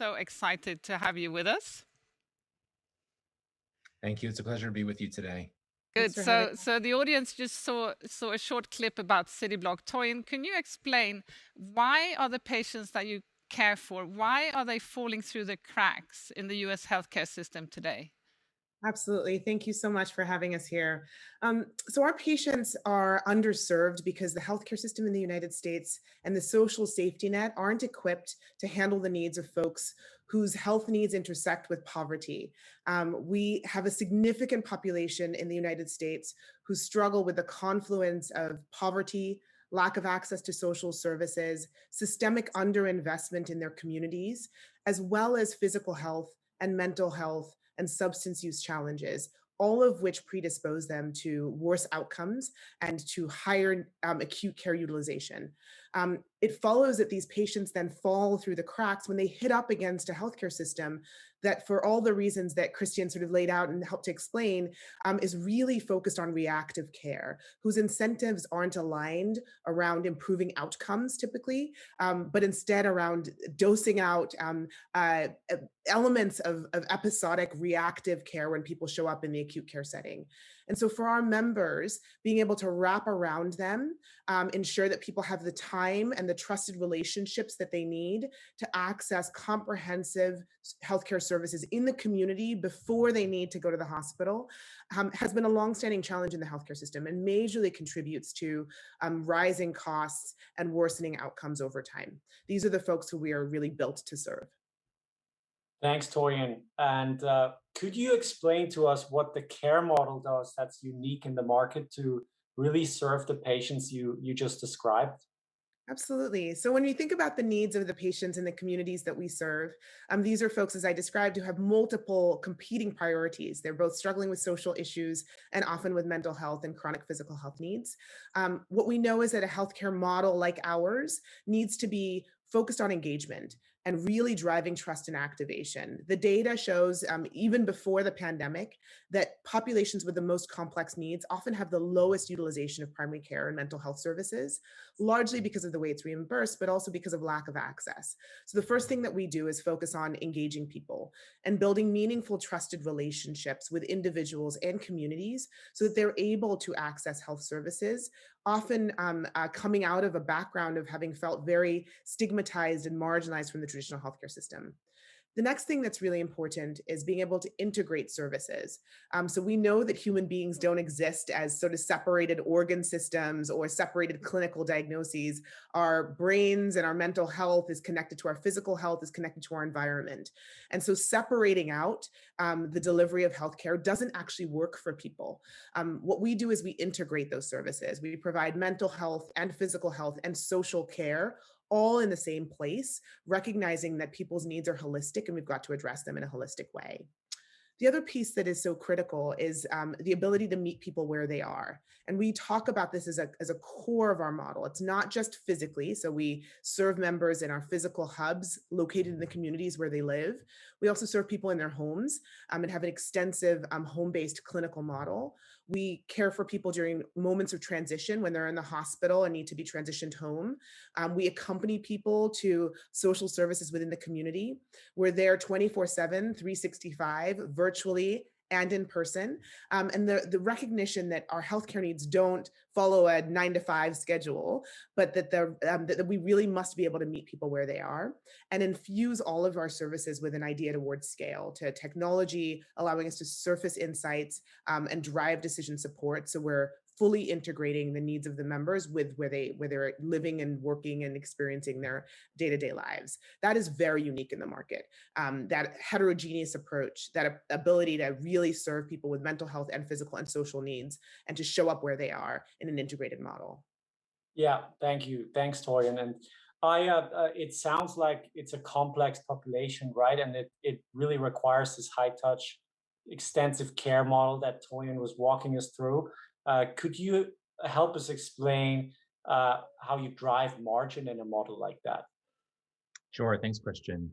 We're so excited to have you with us. Thank you. It's a pleasure to be with you today. Good. The audience just saw a short clip about Cityblock. Toyin, can you explain why are the patients that you care for, why are they falling through the cracks in the U.S. healthcare system today? Absolutely. Thank you so much for having us here. Our patients are underserved because the healthcare system in the United States and the social safety net aren't equipped to handle the needs of folks whose health needs intersect with poverty. We have a significant population in the United States who struggle with the confluence of poverty, lack of access to social services, systemic under-investment in their communities, as well as physical health and mental health and substance use challenges, all of which predispose them to worse outcomes and to higher acute care utilization. It follows that these patients then fall through the cracks when they hit up against a healthcare system that, for all the reasons that Christian sort of laid out and helped to explain, is really focused on reactive care, whose incentives aren't aligned around improving outcomes typically, but instead around dosing out elements of episodic reactive care when people show up in the acute care setting. For our members, being able to wrap around them, ensure that people have the time and the trusted relationships that they need to access comprehensive healthcare services in the community before they need to go to the hospital, has been a longstanding challenge in the healthcare system and majorly contributes to rising costs and worsening outcomes over time. These are the folks who we are really built to serve. Thanks, Toyin. Could you explain to us what the care model does that's unique in the market to really serve the patients you just described? Absolutely. When we think about the needs of the patients in the communities that we serve, these are folks, as I described, who have multiple competing priorities. They're both struggling with social issues and often with mental health and chronic physical health needs. What we know is that a healthcare model like ours needs to be focused on engagement and really driving trust and activation. The data shows, even before the pandemic, that populations with the most complex needs often have the lowest utilization of primary care and mental health services, largely because of the way it's reimbursed, but also because of lack of access. The first thing that we do is focus on engaging people and building meaningful, trusted relationships with individuals and communities so that they're able to access health services, often coming out of a background of having felt very stigmatized and marginalized from the traditional healthcare system. The next thing that's really important is being able to integrate services. We know that human beings don't exist as sort of separated organ systems or separated clinical diagnoses. Our brains and our mental health is connected to our physical health, is connected to our environment. Separating out the delivery of healthcare doesn't actually work for people. What we do is we integrate those services. We provide mental health and physical health and social care all in the same place, recognizing that people's needs are holistic and we've got to address them in a holistic way. The other piece that is so critical is the ability to meet people where they are. We talk about this as a core of our model. It's not just physically, so we serve members in our physical hubs located in the communities where they live. We also serve people in their homes and have an extensive home-based clinical model. We care for people during moments of transition when they're in the hospital and need to be transitioned home. We accompany people to social services within the community. We're there 24/7, 365, virtually and in person. The recognition that our healthcare needs don't follow a 9:00 to 5:00 schedule, but that we really must be able to meet people where they are and infuse all of our services with an idea toward scale, to technology allowing us to surface insights and drive decision support so we're fully integrating the needs of the members with where they're living and working and experiencing their day-to-day lives. That is very unique in the market. That heterogeneous approach, that ability to really serve people with mental health and physical and social needs, and to show up where they are in an integrated model. Yeah. Thank you. Thanks, Toyin. Iyah, it sounds like it's a complex population, right? It really requires this high-touch extensive care model that Toyin was walking us through. Could you help us explain how you drive margin in a model like that? Sure. Thanks, Christian.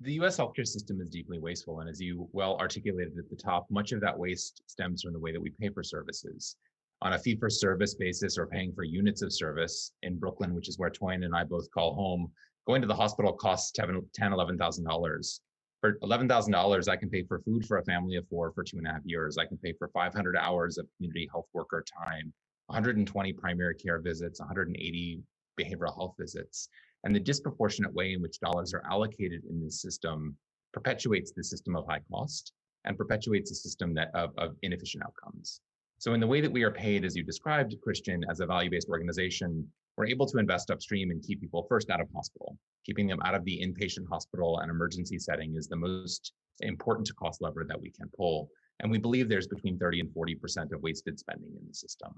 The U.S. healthcare system is deeply wasteful, and as you well articulated at the top, much of that waste stems from the way that we pay for services. On a fee-for-service basis or paying for units of service in Brooklyn, which is where Toyin and I both call home, going to the hospital costs $10,000, $11,000. For $11,000, I can pay for food for a family of four for two and a half years. I can pay for 500 hours of community health worker time, 120 primary care visits, 180 behavioral health visits. The disproportionate way in which dollars are allocated in this system perpetuates this system of high cost and perpetuates a system of inefficient outcomes. In the way that we are paid, as you described, Christian, as a value-based organization, we're able to invest upstream and keep people first out of hospital. Keeping them out of the in-patient hospital and emergency setting is the most important cost lever that we can pull, and we believe there's between 30% and 40% of wasted spending in the system.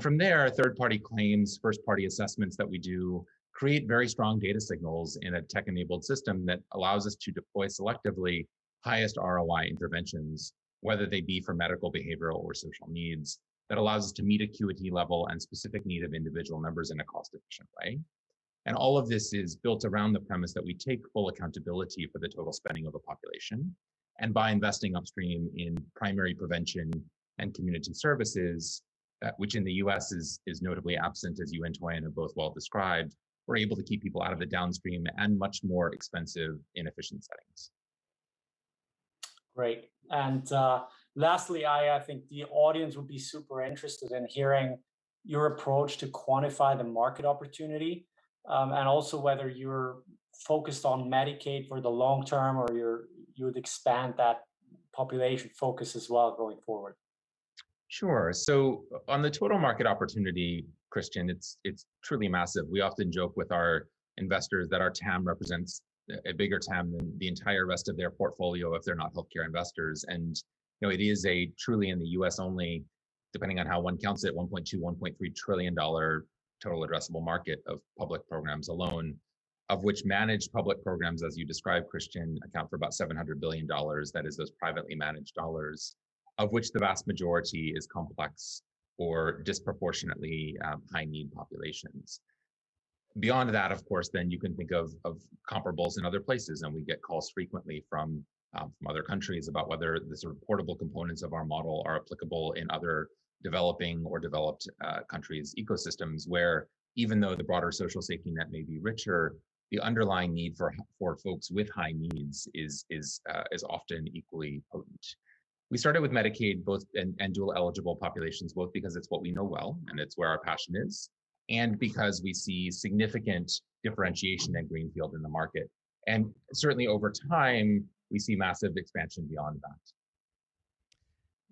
From there, third-party claims, first-party assessments that we do create very strong data signals in a tech-enabled system that allows us to deploy selectively highest ROI interventions, whether they be for medical, behavioral, or social needs, that allows us to meet acuity level and specific need of individual members in a cost-efficient way. All of this is built around the premise that we take full accountability for the total spending of a population, and by investing upstream in primary prevention and community services, which in the U.S. is notably absent as you and Toyin have both well-described, we're able to keep people out of the downstream and much more expensive inefficient settings. Great. Lastly, Iyah, I think the audience would be super interested in hearing your approach to quantify the market opportunity, and also whether you're focused on Medicaid for the long term, or you would expand that population focus as well going forward. Sure. On the total market opportunity, Christian, it's truly massive. We often joke with our investors that our TAM represents a bigger TAM than the entire rest of their portfolio if they're not healthcare investors. It is a truly in the U.S. only, depending on how one counts it, $1.2, $1.3 trillion total addressable market of public programs alone, of which managed public programs, as you described, Christian, account for about $700 billion. That is those privately managed dollars, of which the vast majority is complex or disproportionately high-need populations. Beyond that, of course, then you can think of comparables in other places. We get calls frequently from other countries about whether the sort of portable components of our model are applicable in other developing or developed countries' ecosystems where even though the broader social safety net may be richer, the underlying need for folks with high needs is often equally potent. We started with Medicaid and dual-eligible populations, both because it's what we know well and it's where our passion is, and because we see significant differentiation and greenfield in the market. Certainly over time, we see massive expansion beyond that.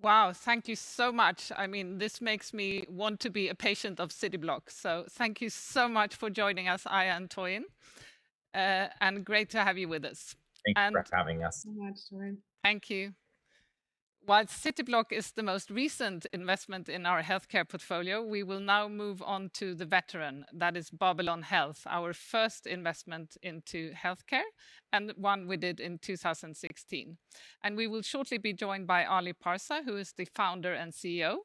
Wow, thank you so much. This makes me want to be a patient of Cityblock. Thank you so much for joining us, Iyah and Toyin, and great to have you with us. Thank you for having us. Thank you so much, Torun. Thank you. While Cityblock is the most recent investment in our healthcare portfolio, we will now move on to the veteran. That is Babylon Health, our first investment into healthcare, and one we did in 2016. We will shortly be joined by Ali Parsa, who is the Founder and CEO,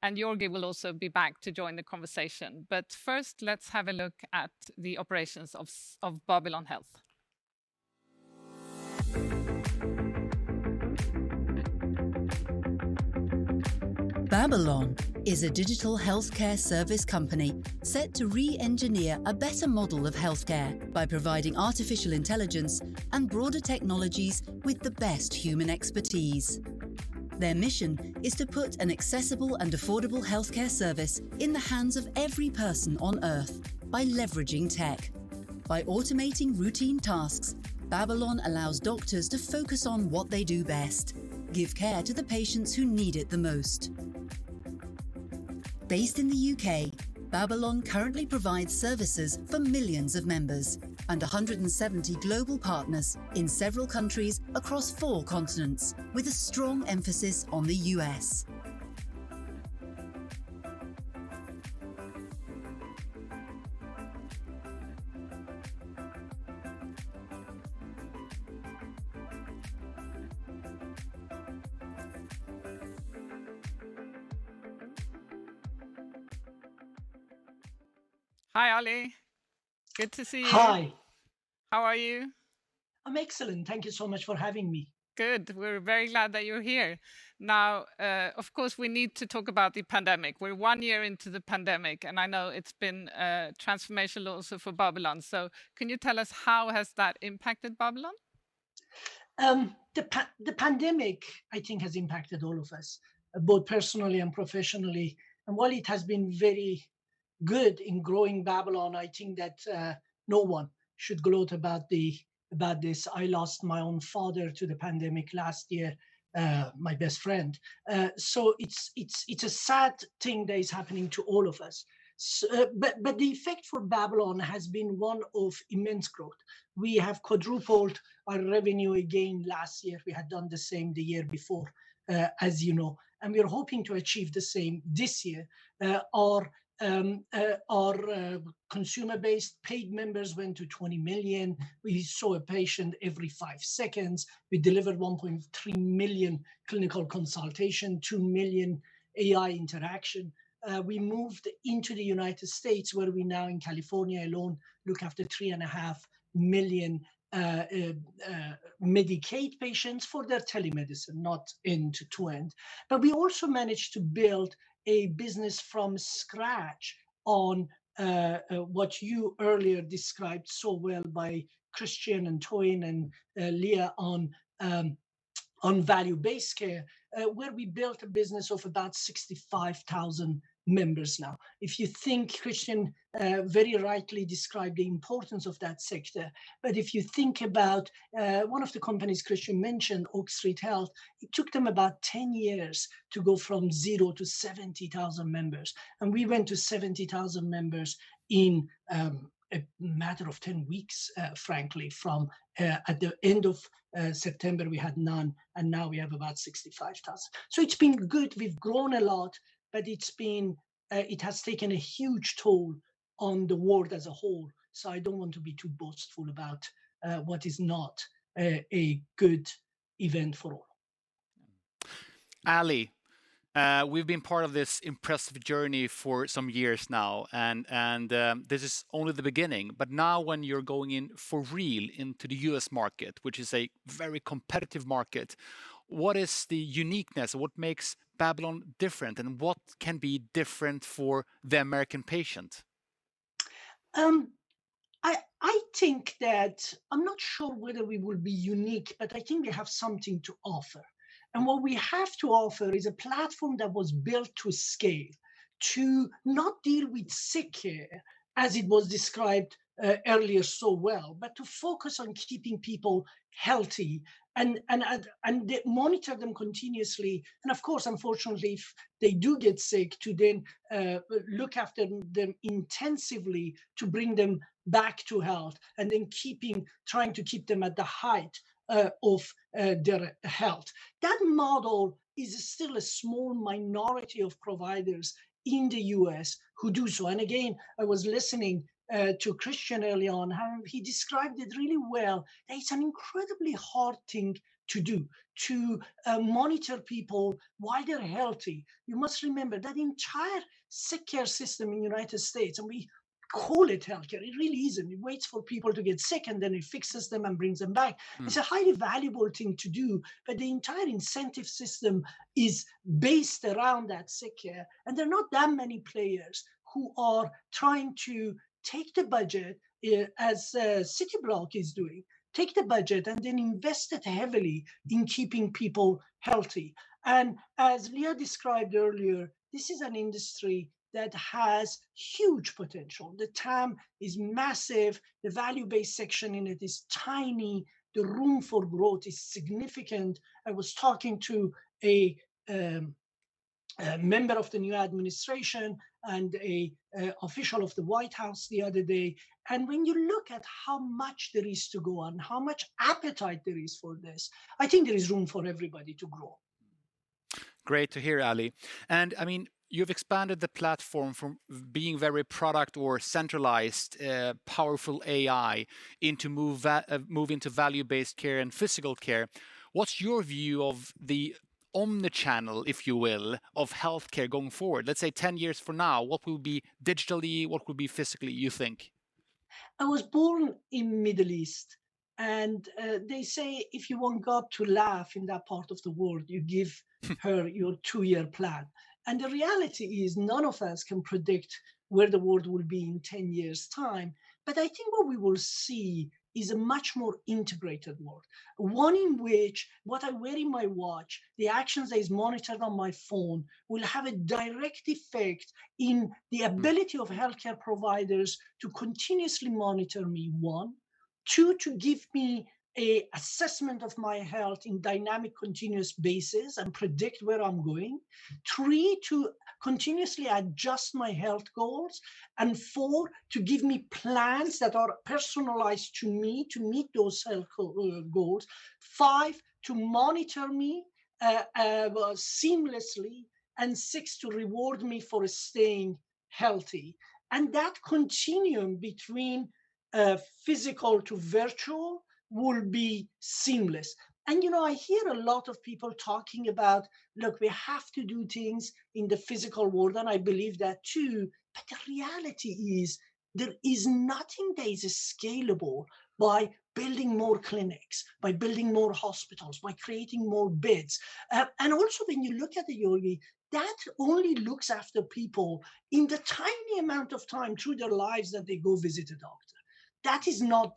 and Georgi will also be back to join the conversation. First, let's have a look at the operations of Babylon Health. Babylon is a digital healthcare service company set to re-engineer a better model of healthcare by providing artificial intelligence and broader technologies with the best human expertise. Their mission is to put an accessible and affordable healthcare service in the hands of every person on Earth by leveraging tech. By automating routine tasks, Babylon allows doctors to focus on what they do best: give care to the patients who need it the most. Based in the U.K., Babylon currently provides services for millions of members and 170 global partners in several countries across four continents, with a strong emphasis on the U.S. Hi, Ali. Good to see you. Hi. How are you? I'm excellent. Thank you so much for having me. Good. We're very glad that you're here. Of course, we need to talk about the pandemic. We're one year into the pandemic, I know it's been transformational also for Babylon. Can you tell us how has that impacted Babylon? The pandemic, I think, has impacted all of us, both personally and professionally. While it has been very good in growing Babylon. I think that no one should gloat about this. I lost my own father to the pandemic last year, my best friend. It's a sad thing that is happening to all of us. The effect for Babylon has been one of immense growth. We have quadrupled our revenue again last year. We had done the same the year before, as you know, we are hoping to achieve the same this year. Our consumer-based paid members went to 20 million. We saw a patient every five seconds. We delivered 1.3 million clinical consultation, 2 million AI interaction. We moved into the United States, where we now in California alone look after 3.5 million Medicaid patients for their telemedicine, not end-to-end. We also managed to build a business from scratch on what you earlier described so well by Christian and Toyin and Iyah on value-based care, where we built a business of about 65,000 members now. Christian very rightly described the importance of that sector, but if you think about one of the companies Christian mentioned, Oak Street Health, it took them about 10 years to go from zero to 70,000 members, and we went to 70,000 members in a matter of 10 weeks, frankly. From at the end of September, we had none, and now we have about 65,000. It's been good. We've grown a lot, but it has taken a huge toll on the world as a whole, so I don't want to be too boastful about what is not a good event for all. Ali, we've been part of this impressive journey for some years now. This is only the beginning. Now when you're going in for real into the U.S. market, which is a very competitive market, what is the uniqueness? What makes Babylon different? What can be different for the American patient? I'm not sure whether we will be unique, but I think we have something to offer, and what we have to offer is a platform that was built to scale. To not deal with sick care, as it was described earlier so well, but to focus on keeping people healthy and monitor them continuously. Of course, unfortunately, if they do get sick, to then look after them intensively to bring them back to health and then trying to keep them at the height of their health. That model is still a small minority of providers in the U.S. who do so. Again, I was listening to Christian earlier on, how he described it really well, that it's an incredibly hard thing to do to monitor people while they're healthy. You must remember that entire sick care system in the United States, and we call it healthcare, it really isn't. It waits for people to get sick, and then it fixes them and brings them back. It's a highly valuable thing to do, but the entire incentive system is based around that sick care, and there are not that many players who are trying to take the budget, as Cityblock is doing, take the budget and then invest it heavily in keeping people healthy. As Iyah described earlier, this is an industry that has huge potential. The TAM is massive. The value-based section in it is tiny. The room for growth is significant. I was talking to a member of the new administration and an official of the White House the other day, and when you look at how much there is to go and how much appetite there is for this, I think there is room for everybody to grow. Great to hear, Ali. You've expanded the platform from being very product or centralized, powerful AI, moving to value-based care and physical care. What's your view of the omni-channel, if you will, of healthcare going forward? Let's say 10 years from now, what will be digitally, what will be physically, you think? I was born in Middle East, and they say if you want God to laugh in that part of the world, you give her your two-year plan. The reality is, none of us can predict where the world will be in 10 years' time, but I think what we will see is a much more integrated world. One in which what I wear in my watch, the actions that is monitored on my phone, will have a direct effect in the ability of healthcare providers to continuously monitor me, one. Two, to give me an assessment of my health in dynamic, continuous basis and predict where I'm going. Three, to continuously adjust my health goals. Four, to give me plans that are personalized to me to meet those health goals. Five, to monitor me seamlessly. Six, to reward me for staying healthy. That continuum between physical to virtual will be seamless. I hear a lot of people talking about, look, we have to do things in the physical world, and I believe that too. The reality is, there is nothing that is scalable by building more clinics, by building more hospitals, by creating more beds. Also, when you look at the on Examination, that only looks after people in the tiny amount of time through their lives that they go visit a doctor. That is not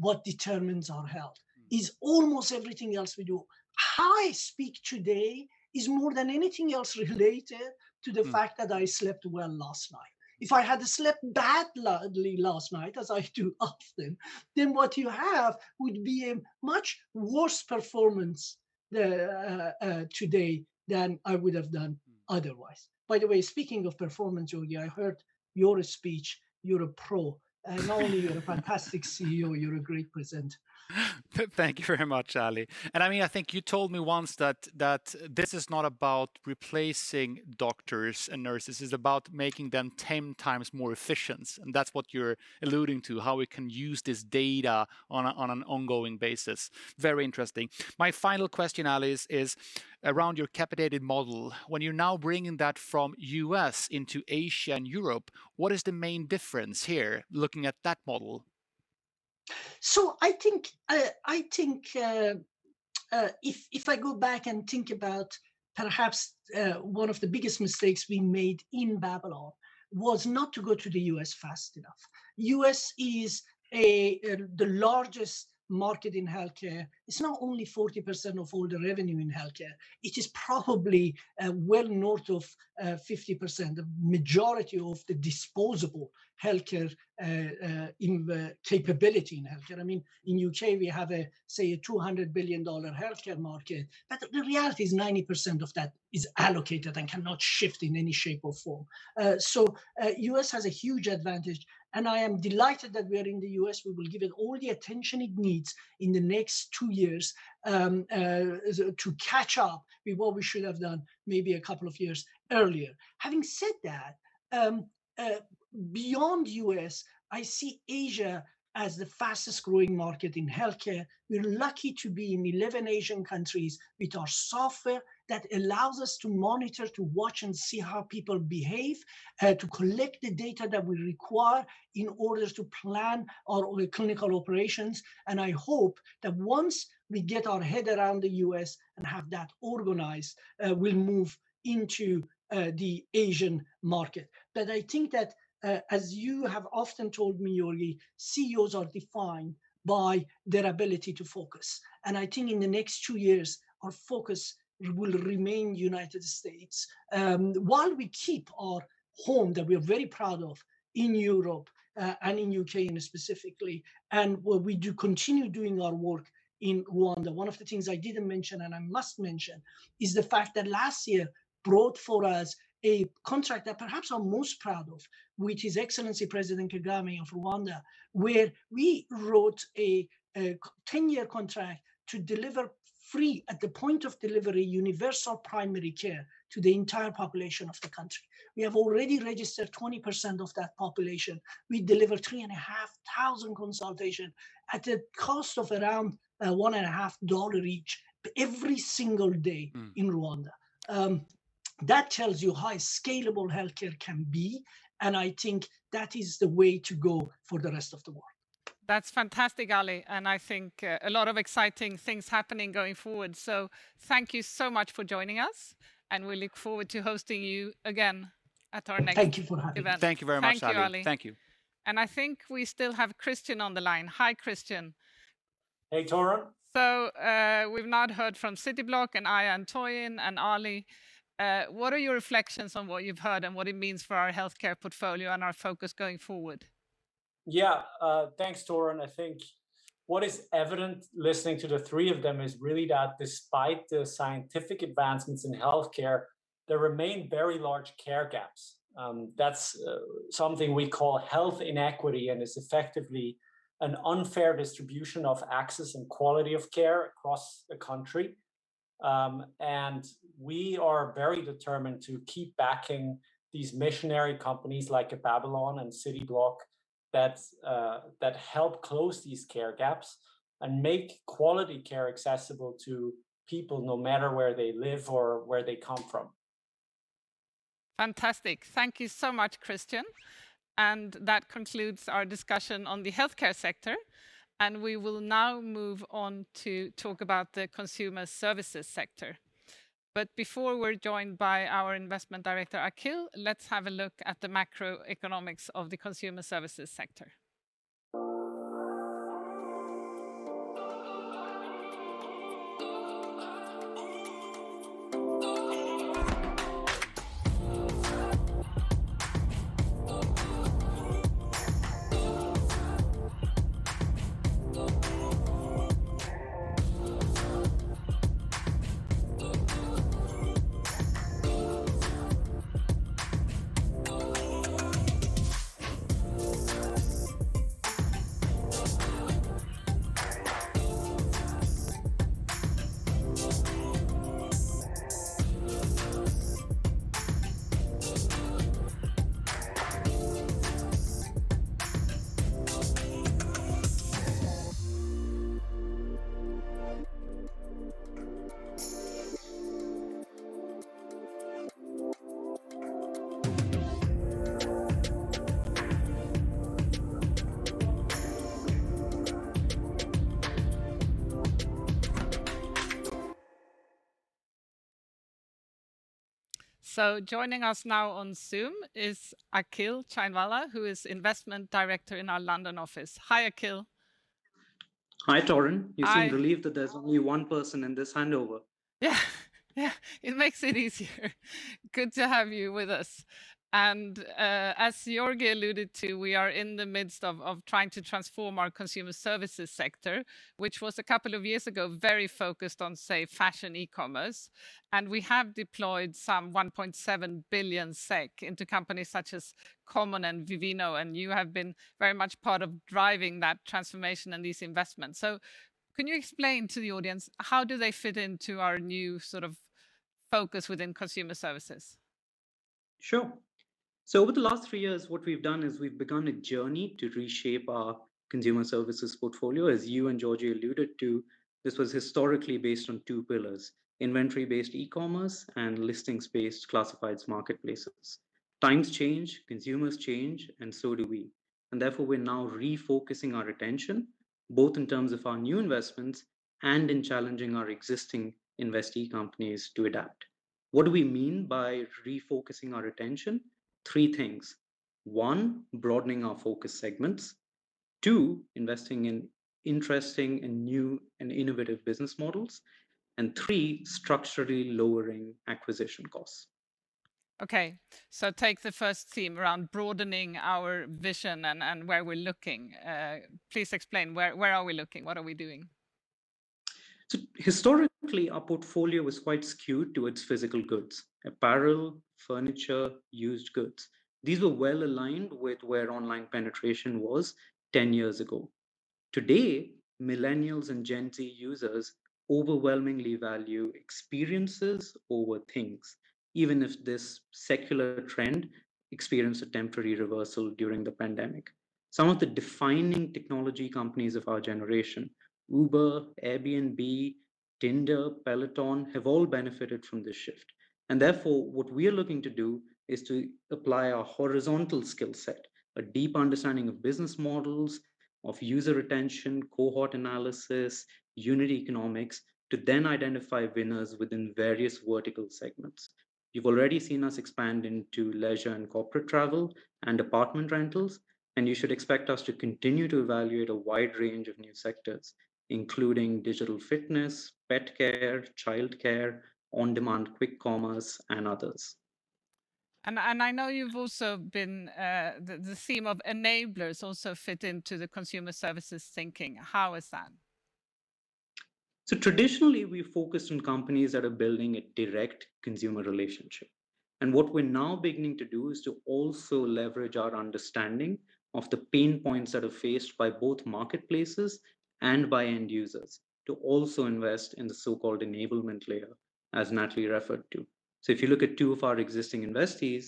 what determines our health. It's almost everything else we do. How I speak today is more than anything else related to the fact that I slept well last night. If I had slept badly last night, as I do often, then what you have would be a much worse performance today than I would have done otherwise. By the way, speaking of performance, Georgi, I heard your speech. You're a pro. Not only are you a fantastic CEO, you're a great presenter. Thank you very much, Ali. I think you told me once that this is not about replacing doctors and nurses. This is about making them 10 times more efficient, and that's what you're alluding to, how we can use this data on an ongoing basis. Very interesting. My final question, Ali, is around your capitated model. When you're now bringing that from U.S. into Asia and Europe, what is the main difference here, looking at that model? I think if I go back and think about perhaps one of the biggest mistakes we made in Babylon was not to go to the U.S. fast enough. U.S. is the largest market in healthcare. It is not only 40% of all the revenue in healthcare, it is probably well north of 50%, the majority of the disposable healthcare capability in healthcare. In U.K., we have, say, a $200 billion healthcare market, but the reality is 90% of that is allocated and cannot shift in any shape or form. U.S. has a huge advantage, and I am delighted that we are in the U.S. We will give it all the attention it needs in the next two years to catch up with what we should have done maybe a couple of years earlier. Having said that, beyond U.S., I see Asia as the fastest-growing market in healthcare. We're lucky to be in 11 Asian countries with our software that allows us to monitor, to watch and see how people behave, to collect the data that we require in order to plan all the clinical operations. I hope that once we get our head around the U.S. and have that organized, we'll move into the Asian market. I think that, as you have often told me, Georgi, CEOs are defined by their ability to focus, and I think in the next two years, our focus will remain United States, while we keep our home that we are very proud of in Europe, and in the U.K. specifically, and we do continue doing our work in Rwanda. One of the things I didn't mention, and I must mention, is the fact that last year brought for us a contract that perhaps I'm most proud of, which is Excellency President Kagame of Rwanda, where we wrote a 10-year contract to deliver free at the point of delivery, universal primary care to the entire population of the country. We have already registered 20% of that population. We deliver 3,500 consultations at a cost of around one and a half dollar each every single day in Rwanda. That tells you how scalable healthcare can be, and I think that is the way to go for the rest of the world. That's fantastic, Ali, and I think a lot of exciting things happening going forward. Thank you so much for joining us, and we look forward to hosting you again at our next event. Thank you for having me. Thank you very much, Ali. Thank you, Ali. Thank you. I think we still have Christian on the line. Hi, Christian. Hey, Torun. We've now heard from Cityblock, and Iyah, and Toyin, and Ali. What are your reflections on what you've heard and what it means for our healthcare portfolio and our focus going forward? Yeah. Thanks, Torun. I think what is evident listening to the three of them is really that despite the scientific advancements in healthcare, there remain very large care gaps. That's something we call health inequity, and it's effectively an unfair distribution of access and quality of care across the country. We are very determined to keep backing these missionary companies like Babylon and Cityblock that help close these care gaps and make quality care accessible to people, no matter where they live or where they come from. Fantastic. Thank you so much, Christian. That concludes our discussion on the healthcare sector, and we will now move on to talk about the consumer services sector. Before we're joined by our Investment Director, Akhil, let's have a look at the macroeconomics of the consumer services sector. Joining us now on Zoom is Akhil Chainwala, who is Investment Director in our London office. Hi, Akhil. Hi, Torun. Hi. You seem relieved that there's only one person in this handover. Yeah. It makes it easier. Good to have you with us. As Georgi alluded to, we are in the midst of trying to transform our consumer services sector, which was a couple of years ago very focused on safe fashion e-commerce, and we have deployed some 1.7 billion SEK into companies such as Common and Vivino, and you have been very much part of driving that transformation and these investments. Can you explain to the audience how do they fit into our new sort of focus within consumer services? Sure. Over the last three years, what we've done is we've begun a journey to reshape our consumer services portfolio. As you and Georgi alluded to, this was historically based on two pillars, inventory-based e-commerce and listings-based classifieds marketplaces. Times change, consumers change, and so do we. Therefore, we're now refocusing our attention both in terms of our new investments and in challenging our existing investee companies to adapt. What do we mean by refocusing our attention? Three things. One, broadening our focus segments, two, investing in interesting and new and innovative business models, three, structurally lowering acquisition costs. Okay. Take the first theme around broadening our vision and where we're looking. Please explain where are we looking? What are we doing? Historically, our portfolio was quite skewed towards physical goods, apparel, furniture, used goods. These were well-aligned with where online penetration was 10 years ago. Today, Millennials and Gen Z users overwhelmingly value experiences over things, even if this secular trend experienced a temporary reversal during the pandemic. Some of the defining technology companies of our generation, Uber, Airbnb, Tinder, Peloton, have all benefited from this shift, and therefore, what we are looking to do is to apply our horizontal skill set, a deep understanding of business models, of user retention, cohort analysis, unit economics to then identify winners within various vertical segments. You've already seen us expand into leisure and corporate travel and apartment rentals, and you should expect us to continue to evaluate a wide range of new sectors, including digital fitness, pet care, childcare, on-demand quick commerce, and others. I know you've also been, the theme of enablers also fit into the consumer services thinking. How is that? Traditionally, we focused on companies that are building a direct consumer relationship, and what we're now beginning to do is to also leverage our understanding of the pain points that are faced by both marketplaces and by end users to also invest in the so-called enablement layer, as Natalie referred to. If you look at two of our existing investees,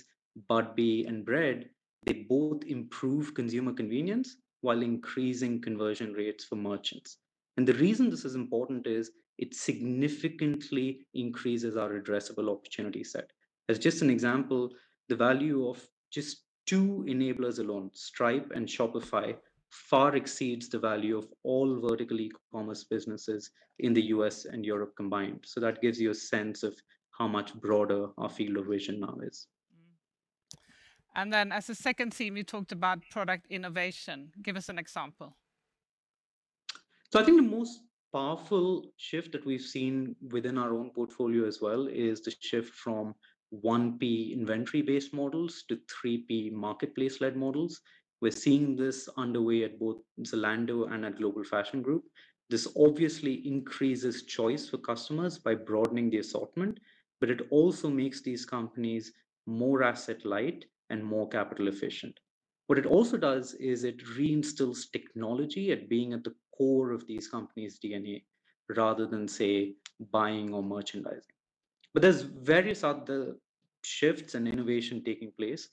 Budbee and Bread, they both improve consumer convenience while increasing conversion rates for merchants. The reason this is important is it significantly increases our addressable opportunity set. As just an example, the value of just two enablers alone, Stripe and Shopify, far exceeds the value of all vertical e-commerce businesses in the U.S. and Europe combined. That gives you a sense of how much broader our field of vision now is. Mm-hmm. As a second theme, you talked about product innovation. Give us an example. I think the most powerful shift that we've seen within our own portfolio as well is the shift from 1P inventory-based models to 3P marketplace-led models. We're seeing this underway at both Zalando and at Global Fashion Group. This obviously increases choice for customers by broadening the assortment, but it also makes these companies more asset light and more capital efficient. What it also does is it reinstills technology at being at the core of these companies' DNA, rather than, say, buying or merchandising. There's various other shifts and innovation taking place.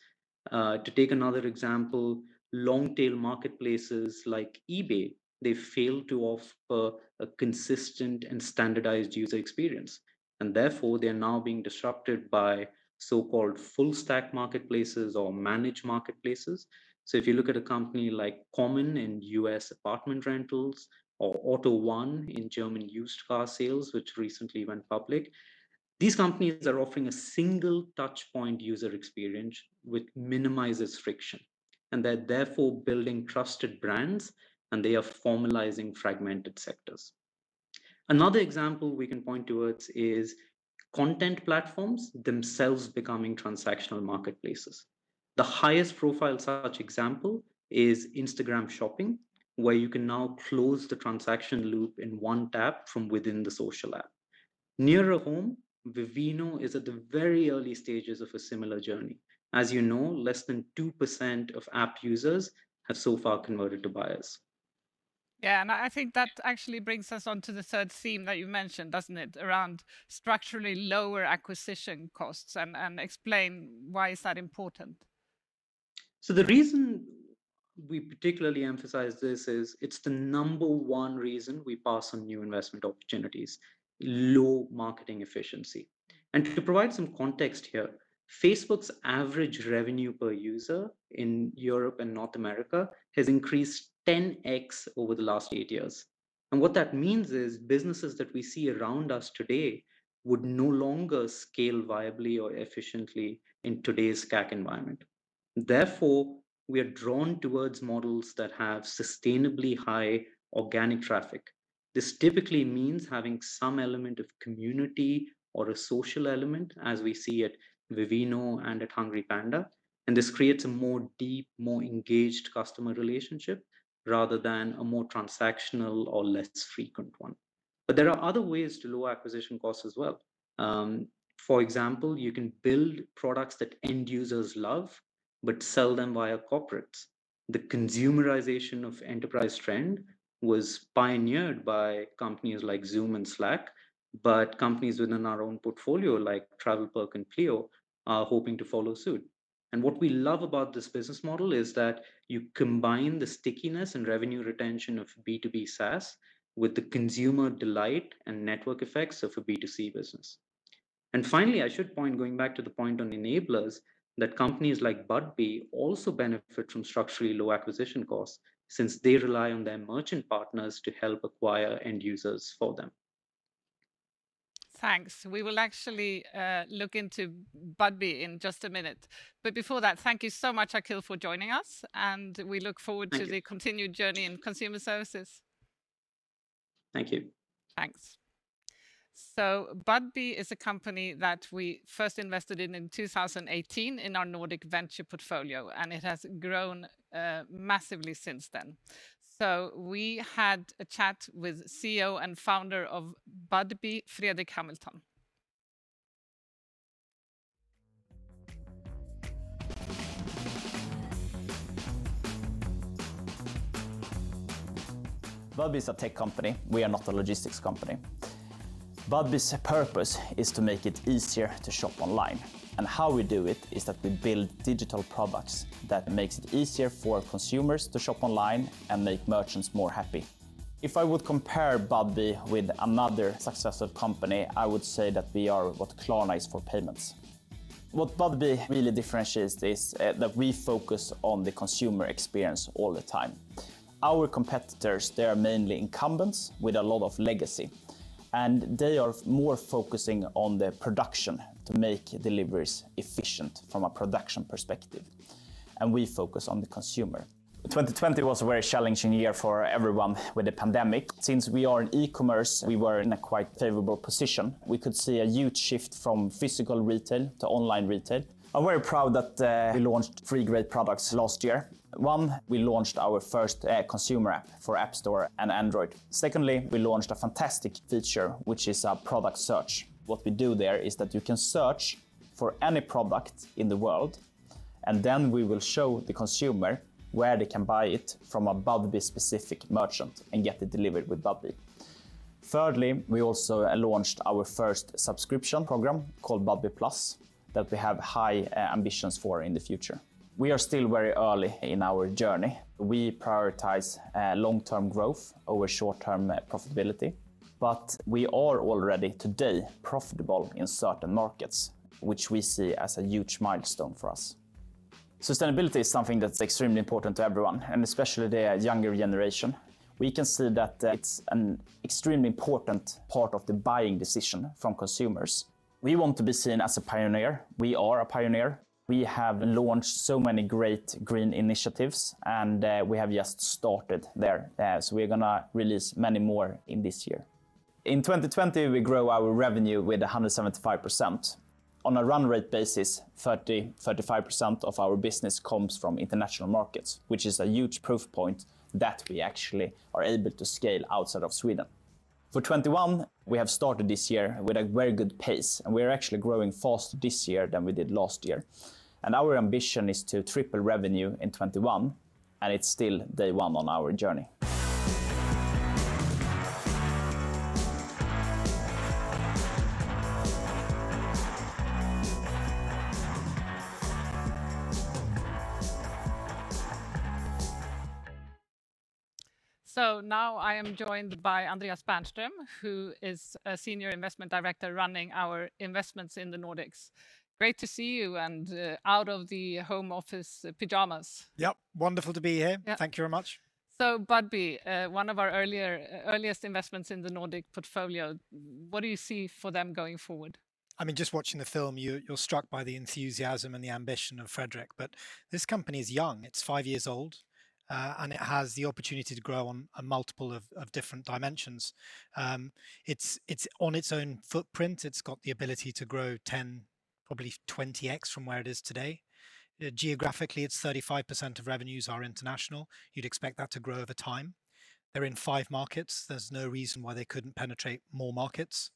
To take another example, long-tail marketplaces like eBay, they fail to offer a consistent and standardized user experience, and therefore, they're now being disrupted by so-called full stack marketplaces or managed marketplaces. If you look at a company like Common in U.S. apartment rentals or AUTO1 in German used car sales, which recently went public, these companies are offering a single touch point user experience which minimizes friction, and they're therefore building trusted brands, and they are formalizing fragmented sectors. Another example we can point towards is content platforms themselves becoming transactional marketplaces. The highest profile such example is Instagram Shopping, where you can now close the transaction loop in one tap from within the social app. Nearer home, Vivino is at the very early stages of a similar journey. As you know, less than 2% of app users have so far converted to buyers. I think that actually brings us onto the third theme that you mentioned, doesn't it, around structurally lower acquisition costs, and explain why is that important? The reason we particularly emphasize this is it's the number 1 reason we pass on new investment opportunities, low marketing efficiency. To provide some context here, Facebook's average revenue per user in Europe and North America has increased 10X over the last 8 years. What that means is businesses that we see around us today would no longer scale viably or efficiently in today's CAC environment. Therefore, we are drawn towards models that have sustainably high organic traffic. This typically means having some element of community or a social element, as we see at Vivino and at HungryPanda, and this creates a more deep, more engaged customer relationship, rather than a more transactional or less frequent one. There are other ways to lower acquisition costs as well. For example, you can build products that end users love, but sell them via corporates. The consumerization of enterprise trend was pioneered by companies like Zoom and Slack, but companies within our own portfolio, like TravelPerk and Pleo, are hoping to follow suit. What we love about this business model is that you combine the stickiness and revenue retention of B2B SaaS with the consumer delight and network effects of a B2C business. Finally, I should point, going back to the point on enablers, that companies like Budbee also benefit from structurally low acquisition costs since they rely on their merchant partners to help acquire end users for them. Thanks. We will actually look into Budbee in just a minute. Before that, thank you so much, Akhil, for joining us, and we look forward. Thank you to the continued journey in consumer services. Thank you. Thanks. Budbee is a company that we first invested in in 2018 in our Nordic venture portfolio, and it has grown massively since then. We had a chat with CEO and founder of Budbee, Fredrik Hamilton. Budbee is a tech company. We are not a logistics company. Budbee's purpose is to make it easier to shop online, and how we do it is that we build digital products that makes it easier for consumers to shop online and make merchants more happy. If I would compare Budbee with another successful company, I would say that we are what Klarna is for payments. What Budbee really differentiates is that we focus on the consumer experience all the time. Our competitors, they are mainly incumbents with a lot of legacy, and they are more focusing on the production to make deliveries efficient from a production perspective, and we focus on the consumer. 2020 was a very challenging year for everyone with the pandemic. Since we are in e-commerce, we were in a quite favorable position. We could see a huge shift from physical retail to online retail. I'm very proud that we launched three great products last year. One, we launched our first consumer app for App Store and Android. Secondly, we launched a fantastic feature, which is a product search. What we do there is that you can search for any product in the world, and then we will show the consumer where they can buy it from a Budbee specific merchant and get it delivered with Budbee. Thirdly, we also launched our first subscription program called Budbee Plus that we have high ambitions for in the future. We are still very early in our journey. We prioritize long-term growth over short-term profitability, but we are already today profitable in certain markets, which we see as a huge milestone for us. Sustainability is something that's extremely important to everyone, and especially the younger generation. We can see that it's an extremely important part of the buying decision from consumers. We want to be seen as a pioneer. We are a pioneer. We have launched so many great green initiatives. We have just started there. We're going to release many more in this year. In 2020, we grew our revenue with 175%. On a run rate basis, 30%-35% of our business comes from international markets, which is a huge proof point that we actually are able to scale outside of Sweden. For 2021, we have started this year with a very good pace. We are actually growing faster this year than we did last year. Our ambition is to triple revenue in 2021. It's still day one on our journey. Now I am joined by Andreas Bernström, who is a senior investment director running our investments in the Nordics. Great to see you, and out of the home office pajamas. Yep, wonderful to be here. Yeah. Thank you very much. Budbee, one of our earliest investments in the Nordic portfolio, what do you see for them going forward? Just watching the film, you're struck by the enthusiasm and the ambition of Fredrik, but this company is young. It's five years old, and it has the opportunity to grow on a multiple of different dimensions. On its own footprint, it's got the ability to grow 10, probably 20x from where it is today. Geographically, it's 35% of revenues are international. You'd expect that to grow over time. They're in five markets. There's no reason why they couldn't penetrate more markets.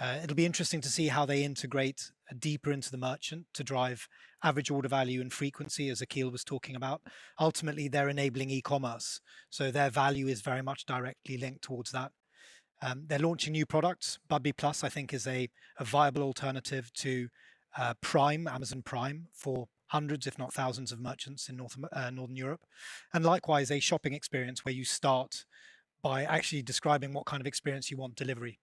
It'll be interesting to see how they integrate deeper into the merchant to drive average order value and frequency, as Akhil was talking about. Ultimately, they're enabling e-commerce, so their value is very much directly linked towards that. They're launching new products. Budbee Plus, I think, is a viable alternative to Prime, Amazon Prime, for hundreds if not thousands of merchants in Northern Europe. Likewise, a shopping experience where you start by actually describing what kind of experience you want delivery.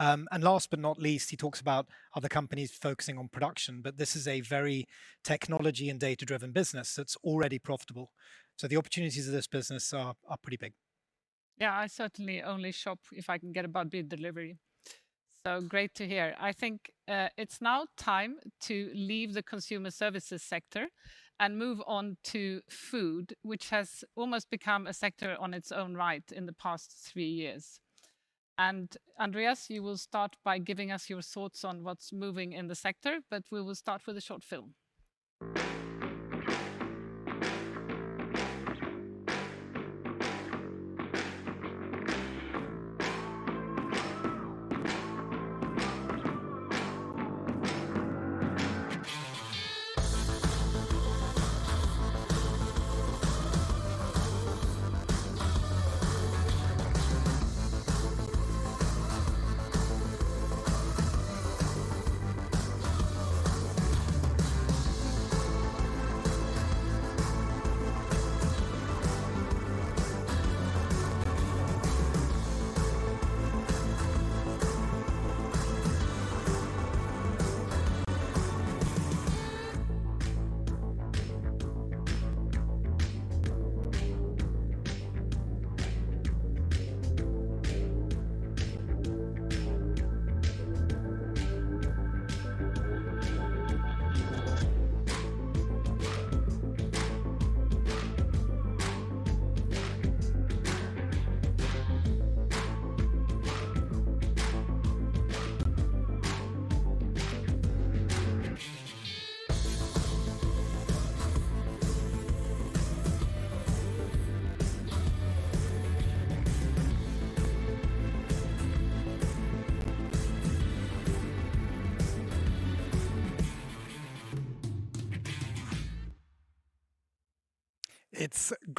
Last but not least, he talks about other companies focusing on production, but this is a very technology and data-driven business that's already profitable. The opportunities of this business are pretty big. Yeah, I certainly only shop if I can get a Budbee delivery. Great to hear. I think it's now time to leave the consumer services sector and move on to food, which has almost become a sector on its own right in the past three years. Andreas, you will start by giving us your thoughts on what's moving in the sector, but we will start with a short film.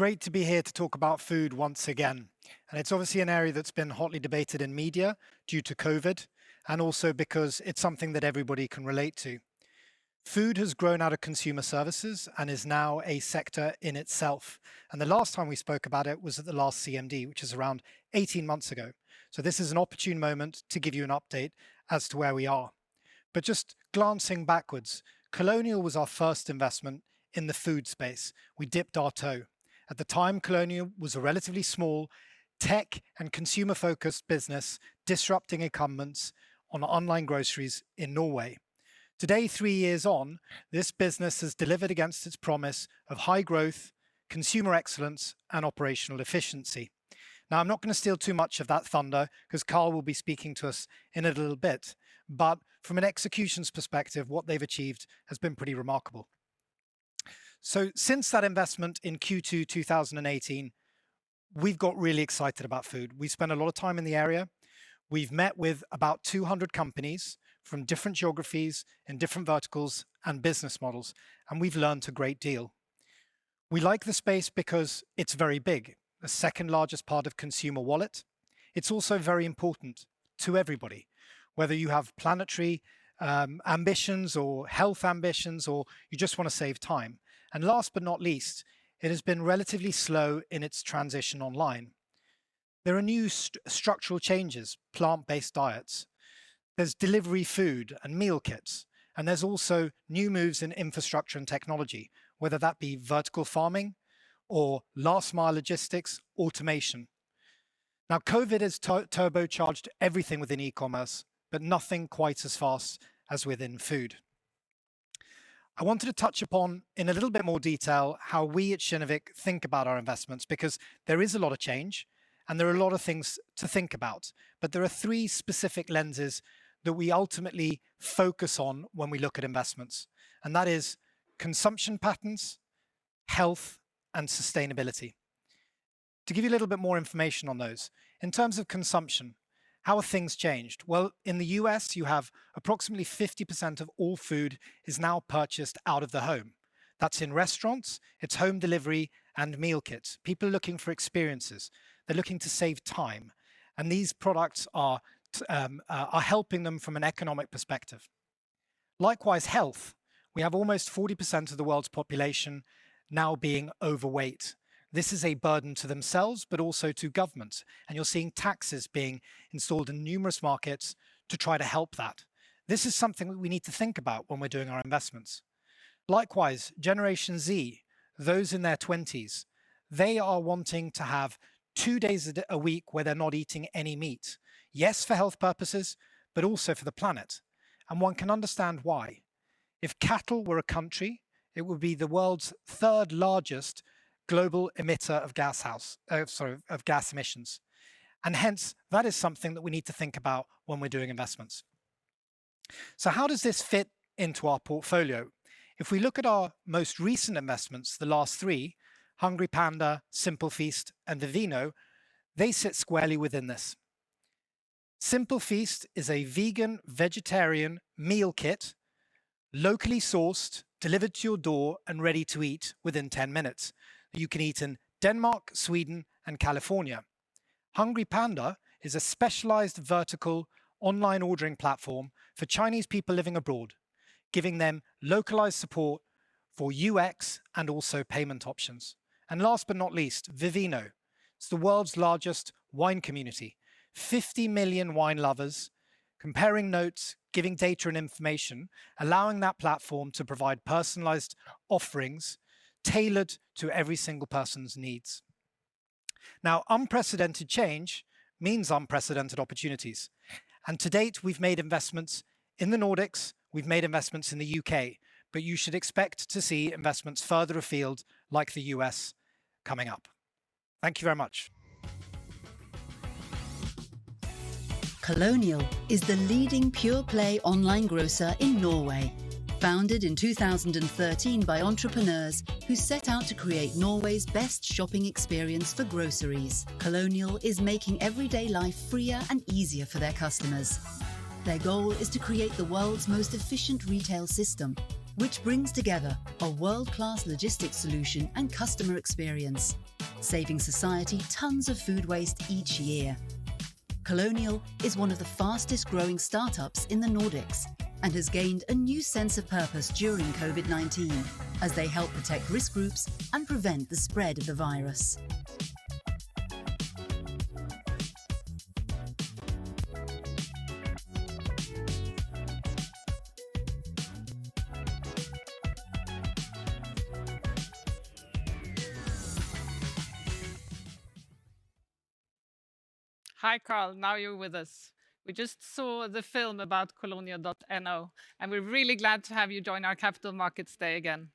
It's great to be here to talk about food once again, and it's obviously an area that's been hotly debated in media due to COVID, and also because it's something that everybody can relate to. Food has grown out of consumer services and is now a sector in itself, and the last time we spoke about it was at the last CMD, which is around 18 months ago. This is an opportune moment to give you an update as to where we are. Just glancing backwards, Kolonial was our first investment in the food space. We dipped our toe. At the time, Kolonial was a relatively small tech and consumer-focused business, disrupting incumbents on online groceries in Norway. Today, three years on, this business has delivered against its promise of high growth, consumer excellence, and operational efficiency. I'm not going to steal too much of that thunder because Karl will be speaking to us in a little bit, but from an executions perspective, what they've achieved has been pretty remarkable. Since that investment in Q2 2018, we've got really excited about food. We've spent a lot of time in the area. We've met with about 200 companies from different geographies and different verticals and business models, and we've learned a great deal. We like the space because it's very big. The second-largest part of consumer wallet. It's also very important to everybody, whether you have planetary ambitions or health ambitions, or you just want to save time. Last but not least, it has been relatively slow in its transition online. There are new structural changes, plant-based diets. There's delivery food and meal kits. There's also new moves in infrastructure and technology, whether that be vertical farming or last-mile logistics automation. COVID has turbocharged everything within e-commerce, nothing quite as fast as within food. I wanted to touch upon in a little bit more detail how we at Kinnevik think about our investments, because there is a lot of change and there are a lot of things to think about, there are three specific lenses that we ultimately focus on when we look at investments, that is consumption patterns, health, and sustainability. To give you a little bit more information on those, in terms of consumption, how have things changed? Well, in the U.S., you have approximately 50% of all food is now purchased out of the home. That's in restaurants, it's home delivery, and meal kits. People are looking for experiences. They're looking to save time, and these products are helping them from an economic perspective. Likewise, health, we have almost 40% of the world's population now being overweight. This is a burden to themselves, but also to governments, and you're seeing taxes being installed in numerous markets to try to help that. This is something that we need to think about when we're doing our investments. Likewise, Generation Z, those in their 20s, they are wanting to have two days a week where they're not eating any meat. Yes, for health purposes, but also for the planet. One can understand why. If cattle were a country, it would be the world's third-largest global emitter of gas emissions. Hence, that is something that we need to think about when we're doing investments. How does this fit into our portfolio? If we look at our most recent investments, the last three, HungryPanda, Simple Feast, and Vivino, they sit squarely within this. Simple Feast is a vegan-vegetarian meal kit, locally sourced, delivered to your door, and ready to eat within 10 minutes. You can eat in Denmark, Sweden, and California. HungryPanda is a specialized vertical online ordering platform for Chinese people living abroad, giving them localized support for UX and also payment options. Last but not least, Vivino. 50 million wine lovers, comparing notes, giving data and information, allowing that platform to provide personalized offerings tailored to every single person's needs. Unprecedented change means unprecedented opportunities. To date, we've made investments in the Nordics, we've made investments in the U.K. You should expect to see investments farther afield, like the U.S., coming up. Thank you very much. Kolonial is the leading pure-play online grocer in Norway. Founded in 2013 by entrepreneurs who set out to create Norway's best shopping experience for groceries, Kolonial is making everyday life freer and easier for their customers. Their goal is to create the world's most efficient retail system, which brings together a world-class logistics solution and customer experience, saving society tons of food waste each year. Kolonial is one of the fastest-growing startups in the Nordics and has gained a new sense of purpose during COVID-19, as they help protect risk groups and prevent the spread of the virus. Hi, Karl. Now you're with us. We just saw the film about Kolonial.no, and we're really glad to have you join our Capital Markets Day again.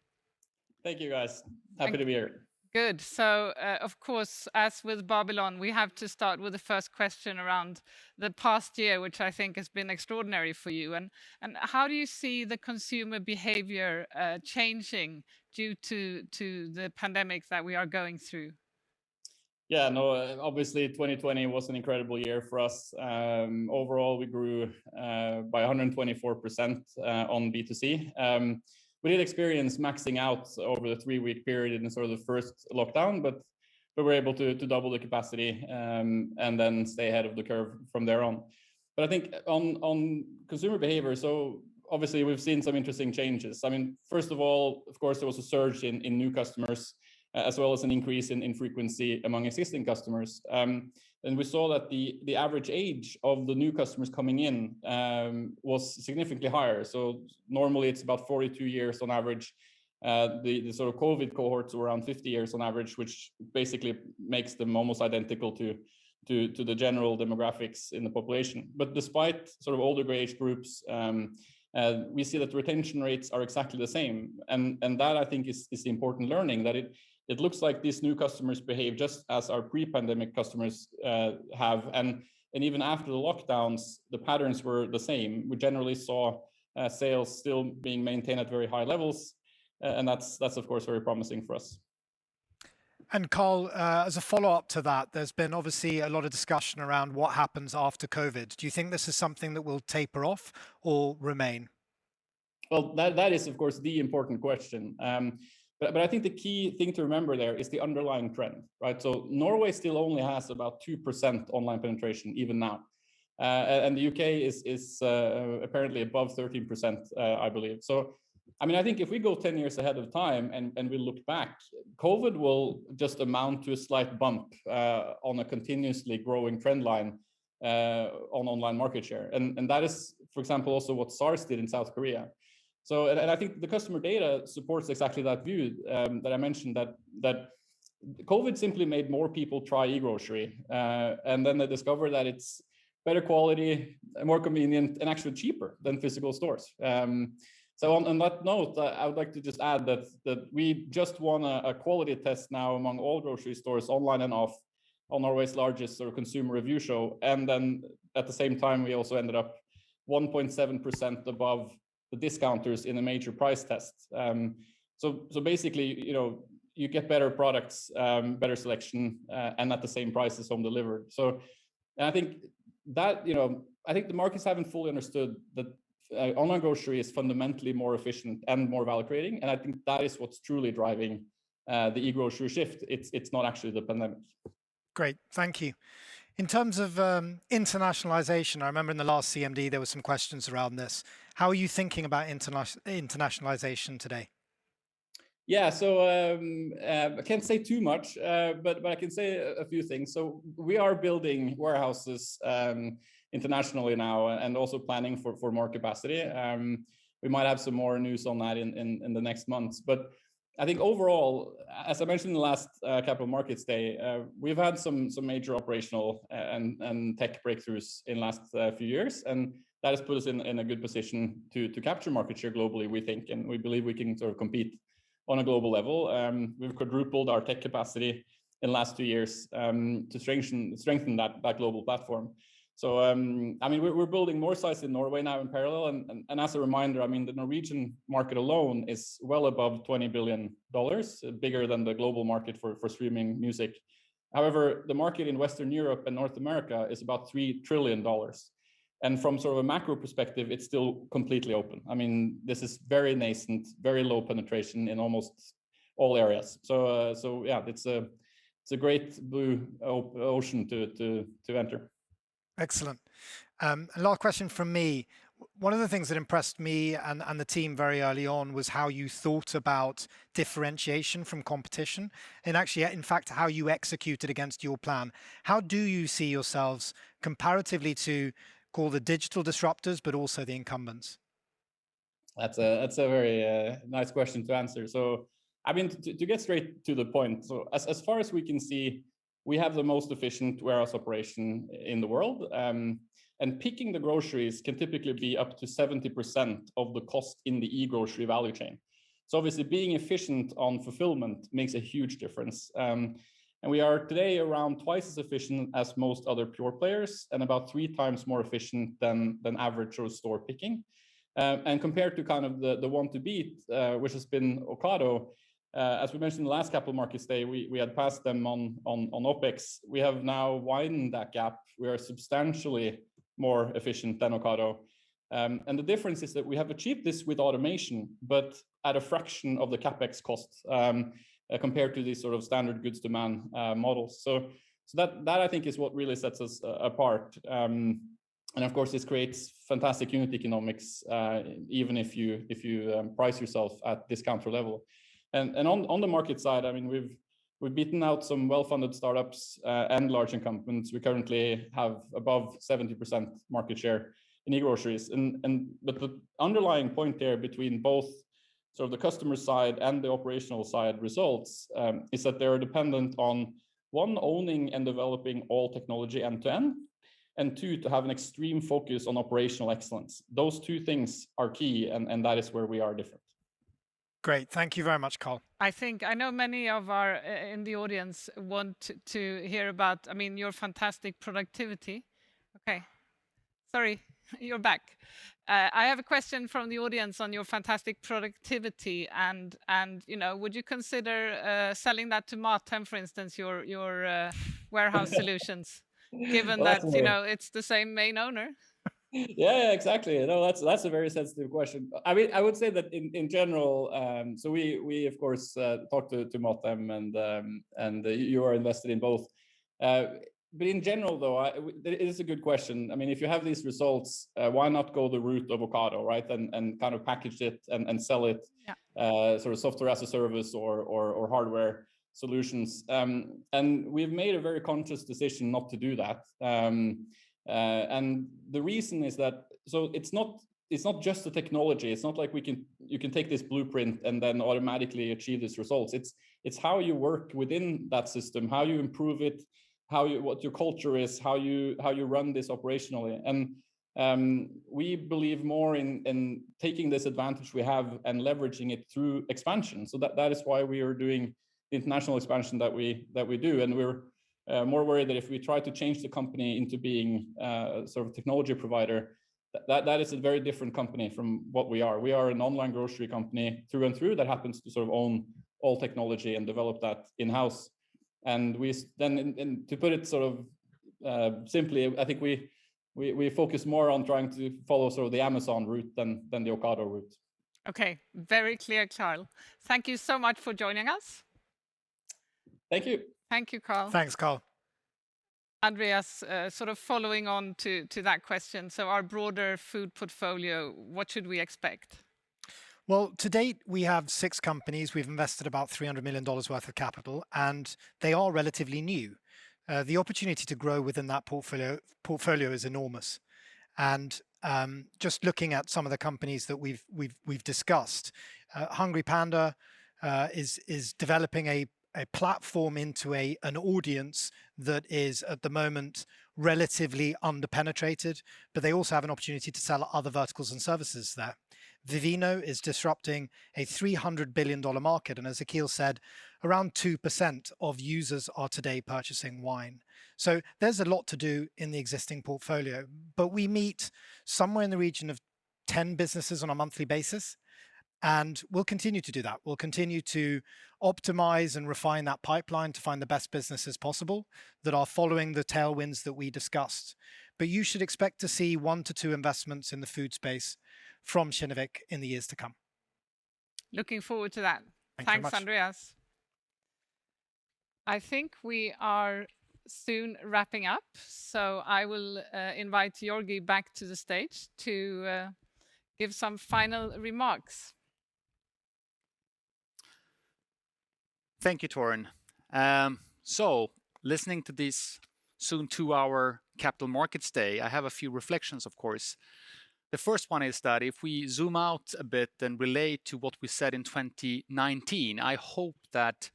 Thank you, guys. Happy to be here. Good. Of course, as with Babylon, we have to start with the first question around the past year, which I think has been extraordinary for you. How do you see the consumer behavior changing due to the pandemic that we are going through? Yeah, no, obviously, 2020 was an incredible year for us. Overall, we grew by 124% on B2C. We did experience maxing out over the three-week period in sort of the first lockdown, we were able to double the capacity, stay ahead of the curve from there on. I think on consumer behavior, obviously we've seen some interesting changes. First of all, of course, there was a surge in new customers, as well as an increase in frequency among existing customers. We saw that the average age of the new customers coming in was significantly higher. Normally it's about 42 years on average. The sort of COVID cohorts were around 50 years on average, which basically makes them almost identical to the general demographics in the population. Despite sort of older age groups, we see that retention rates are exactly the same, and that I think is the important learning, that it looks like these new customers behave just as our pre-pandemic customers have, and even after the lockdowns, the patterns were the same. We generally saw sales still being maintained at very high levels, and that's of course, very promising for us. Karl, as a follow-up to that, there's been obviously a lot of discussion around what happens after COVID. Do you think this is something that will taper off or remain? Well, that is, of course, the important question. I think the key thing to remember there is the underlying trend, right? Norway still only has about 2% online penetration even now. The U.K. is apparently above 13%, I believe. I think if we go 10 years ahead of time and we look back, COVID will just amount to a slight bump on a continuously growing trend line on online market share. That is, for example, also what SARS did in South Korea. I think the customer data supports exactly that view that I mentioned, that COVID simply made more people try e-grocery, and then they discover that it's better quality, more convenient, and actually cheaper than physical stores. On that note, I would like to just add that we just won a quality test now among all grocery stores, online and off, on Norway's largest consumer review show, and then at the same time, we also ended up 1.7% above the discounters in a major price test. Basically, you get better products, better selection, and at the same price as home delivered. I think the markets haven't fully understood that online grocery is fundamentally more efficient and more value-creating, and I think that is what's truly driving the e-grocery shift. It's not actually the pandemic. Great, thank you. In terms of internationalization, I remember in the last CMD there were some questions around this. How are you thinking about internationalization today? I can't say too much, but I can say a few things. We are building warehouses internationally now, and also planning for more capacity. We might have some more news on that in the next months. I think overall, as I mentioned in the last Capital Markets Day, we've had some major operational and tech breakthroughs in the last few years, and that has put us in a good position to capture market share globally, we think, and we believe we can sort of compete on a global level. We've quadrupled our tech capacity in the last two years to strengthen that global platform. We're building more sites in Norway now in parallel, and as a reminder, the Norwegian market alone is well above SEK 20 billion, bigger than the global market for streaming music. The market in Western Europe and North America is about $3 trillion. From sort of a macro perspective, it's still completely open. This is very nascent, very low penetration in almost all areas. Yeah, it's a great blue ocean to enter. Excellent. The last question from me. One of the things that impressed me and the team very early on was how you thought about differentiation from competition, and actually, in fact, how you executed against your plan. How do you see yourselves comparatively to call the digital disruptors, but also the incumbents? That's a very nice question to answer. To get straight to the point, as far as we can see, we have the most efficient warehouse operation in the world. Picking the groceries can typically be up to 70% of the cost in the e-grocery value chain. Obviously, being efficient on fulfillment makes a huge difference. We are today around twice as efficient as most other pure players and about three times more efficient than average store picking. Compared to the one to beat, which has been Ocado, as we mentioned the last Capital Markets Day, we had passed them on OpEx. We have now widened that gap. We are substantially more efficient than Ocado. The difference is that we have achieved this with automation, but at a fraction of the CapEx costs, compared to these sort of standard goods demand models. That, I think, is what really sets us apart. Of course, this creates fantastic unit economics, even if you price yourself at discount level. On the market side, we've beaten out some well-funded startups and large incumbents. We currently have above 70% market share in e-groceries. The underlying point there between both sort of the customer side and the operational side results, is that they are dependent on, one, owning and developing all technology end-to-end, and two, to have an extreme focus on operational excellence. Those two things are key, that is where we are different. Great. Thank you very much, Karl. I know many in the audience want to hear about your fantastic productivity. Okay. Sorry, you're back. I have a question from the audience on your fantastic productivity, and would you consider selling that to Mathem, for instance, your warehouse solutions, given that it's the same main owner? Yeah, exactly. That's a very sensitive question. I would say that in general, so we, of course, talked to Mathem, and you are invested in both. In general, though, it is a good question. If you have these results, why not go the route of Ocado, right, and kind of package it and sell it. Yeah sort of Software as a Service or hardware solutions. We've made a very conscious decision not to do that. The reason is that it's not just the technology. It's not like you can take this blueprint and then automatically achieve these results. It's how you work within that system, how you improve it, what your culture is, how you run this operationally, and we believe more in taking this advantage we have and leveraging it through expansion. That is why we are doing international expansion that we do, and we're more worried that if we try to change the company into being a sort of technology provider, that is a very different company from what we are. We are an online grocery company through and through that happens to sort of own all technology and develop that in-house. To put it sort of simply, I think we focus more on trying to follow sort of the Amazon route than the Ocado route. Okay. Very clear, Karl. Thank you so much for joining us. Thank you. Thank you, Karl. Thanks, Karl. Andreas, sort of following on to that question, our broader food portfolio, what should we expect? To date, we have six companies. We've invested about SEK 300 million worth of capital, they are relatively new. The opportunity to grow within that portfolio is enormous. Just looking at some of the companies that we've discussed, HungryPanda is developing a platform into an audience that is, at the moment, relatively under-penetrated, they also have an opportunity to sell other verticals and services there. Vivino is disrupting a SEK 300 billion market, as Akhil said, around 2% of users are today purchasing wine. There's a lot to do in the existing portfolio, we meet somewhere in the region of 10 businesses on a monthly basis, we'll continue to do that. We'll continue to optimize and refine that pipeline to find the best businesses possible that are following the tailwinds that we discussed. You should expect to see one to two investments in the food space from Kinnevik in the years to come. Looking forward to that. Thank you much. Thanks, Andreas. I think we are soon wrapping up, so I will invite Georgi back to the stage to give some final remarks. Thank you, Torun. Listening to this soon two-hour Capital Markets Day, I have a few reflections, of course. The first one is that if we zoom out a bit and relate to what we said in 2019, I hope that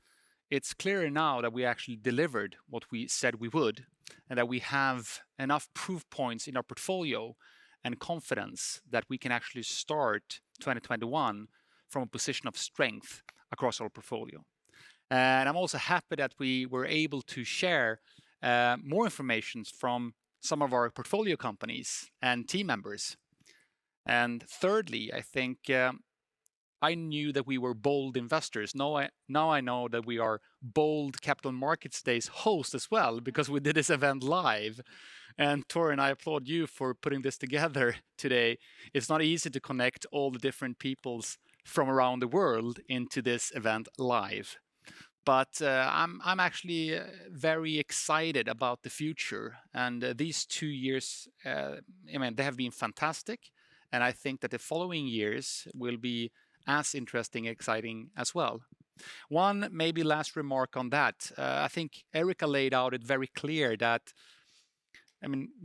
it's clearer now that we actually delivered what we said we would, and that we have enough proof points in our portfolio and confidence that we can actually start 2021 from a position of strength across our portfolio. I'm also happy that we were able to share more information from some of our portfolio companies and team members. Thirdly, I think I knew that we were bold investors. Now I know that we are bold Capital Markets Day hosts as well because we did this event live. Torun, I applaud you for putting this together today. It's not easy to connect all the different peoples from around the world into this event live. I'm actually very excited about the future and these two years, they have been fantastic, and I think that the following years will be as interesting, exciting as well. One maybe last remark on that. I think Erika laid out it very clear that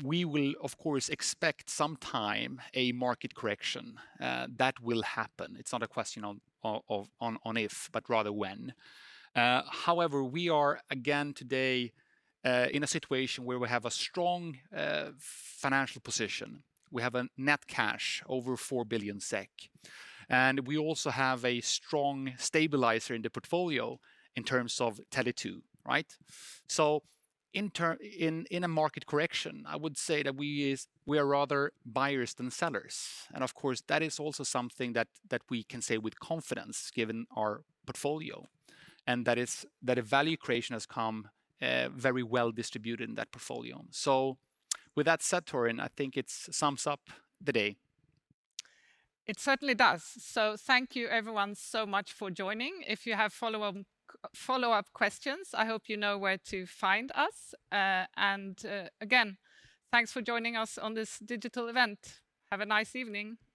we will, of course, expect sometime a market correction. That will happen. It's not a question of if, but rather when. We are again today in a situation where we have a strong financial position. We have a net cash over 4 billion SEK, and we also have a strong stabilizer in the portfolio in terms of Tele2, right? In a market correction, I would say that we are rather buyers than sellers. Of course, that is also something that we can say with confidence given our portfolio, and that is that a value creation has come very well distributed in that portfolio. With that said, Torun, I think it sums up the day. It certainly does. Thank you everyone so much for joining. If you have follow-up questions, I hope you know where to find us. Again, thanks for joining us on this digital event. Have a nice evening.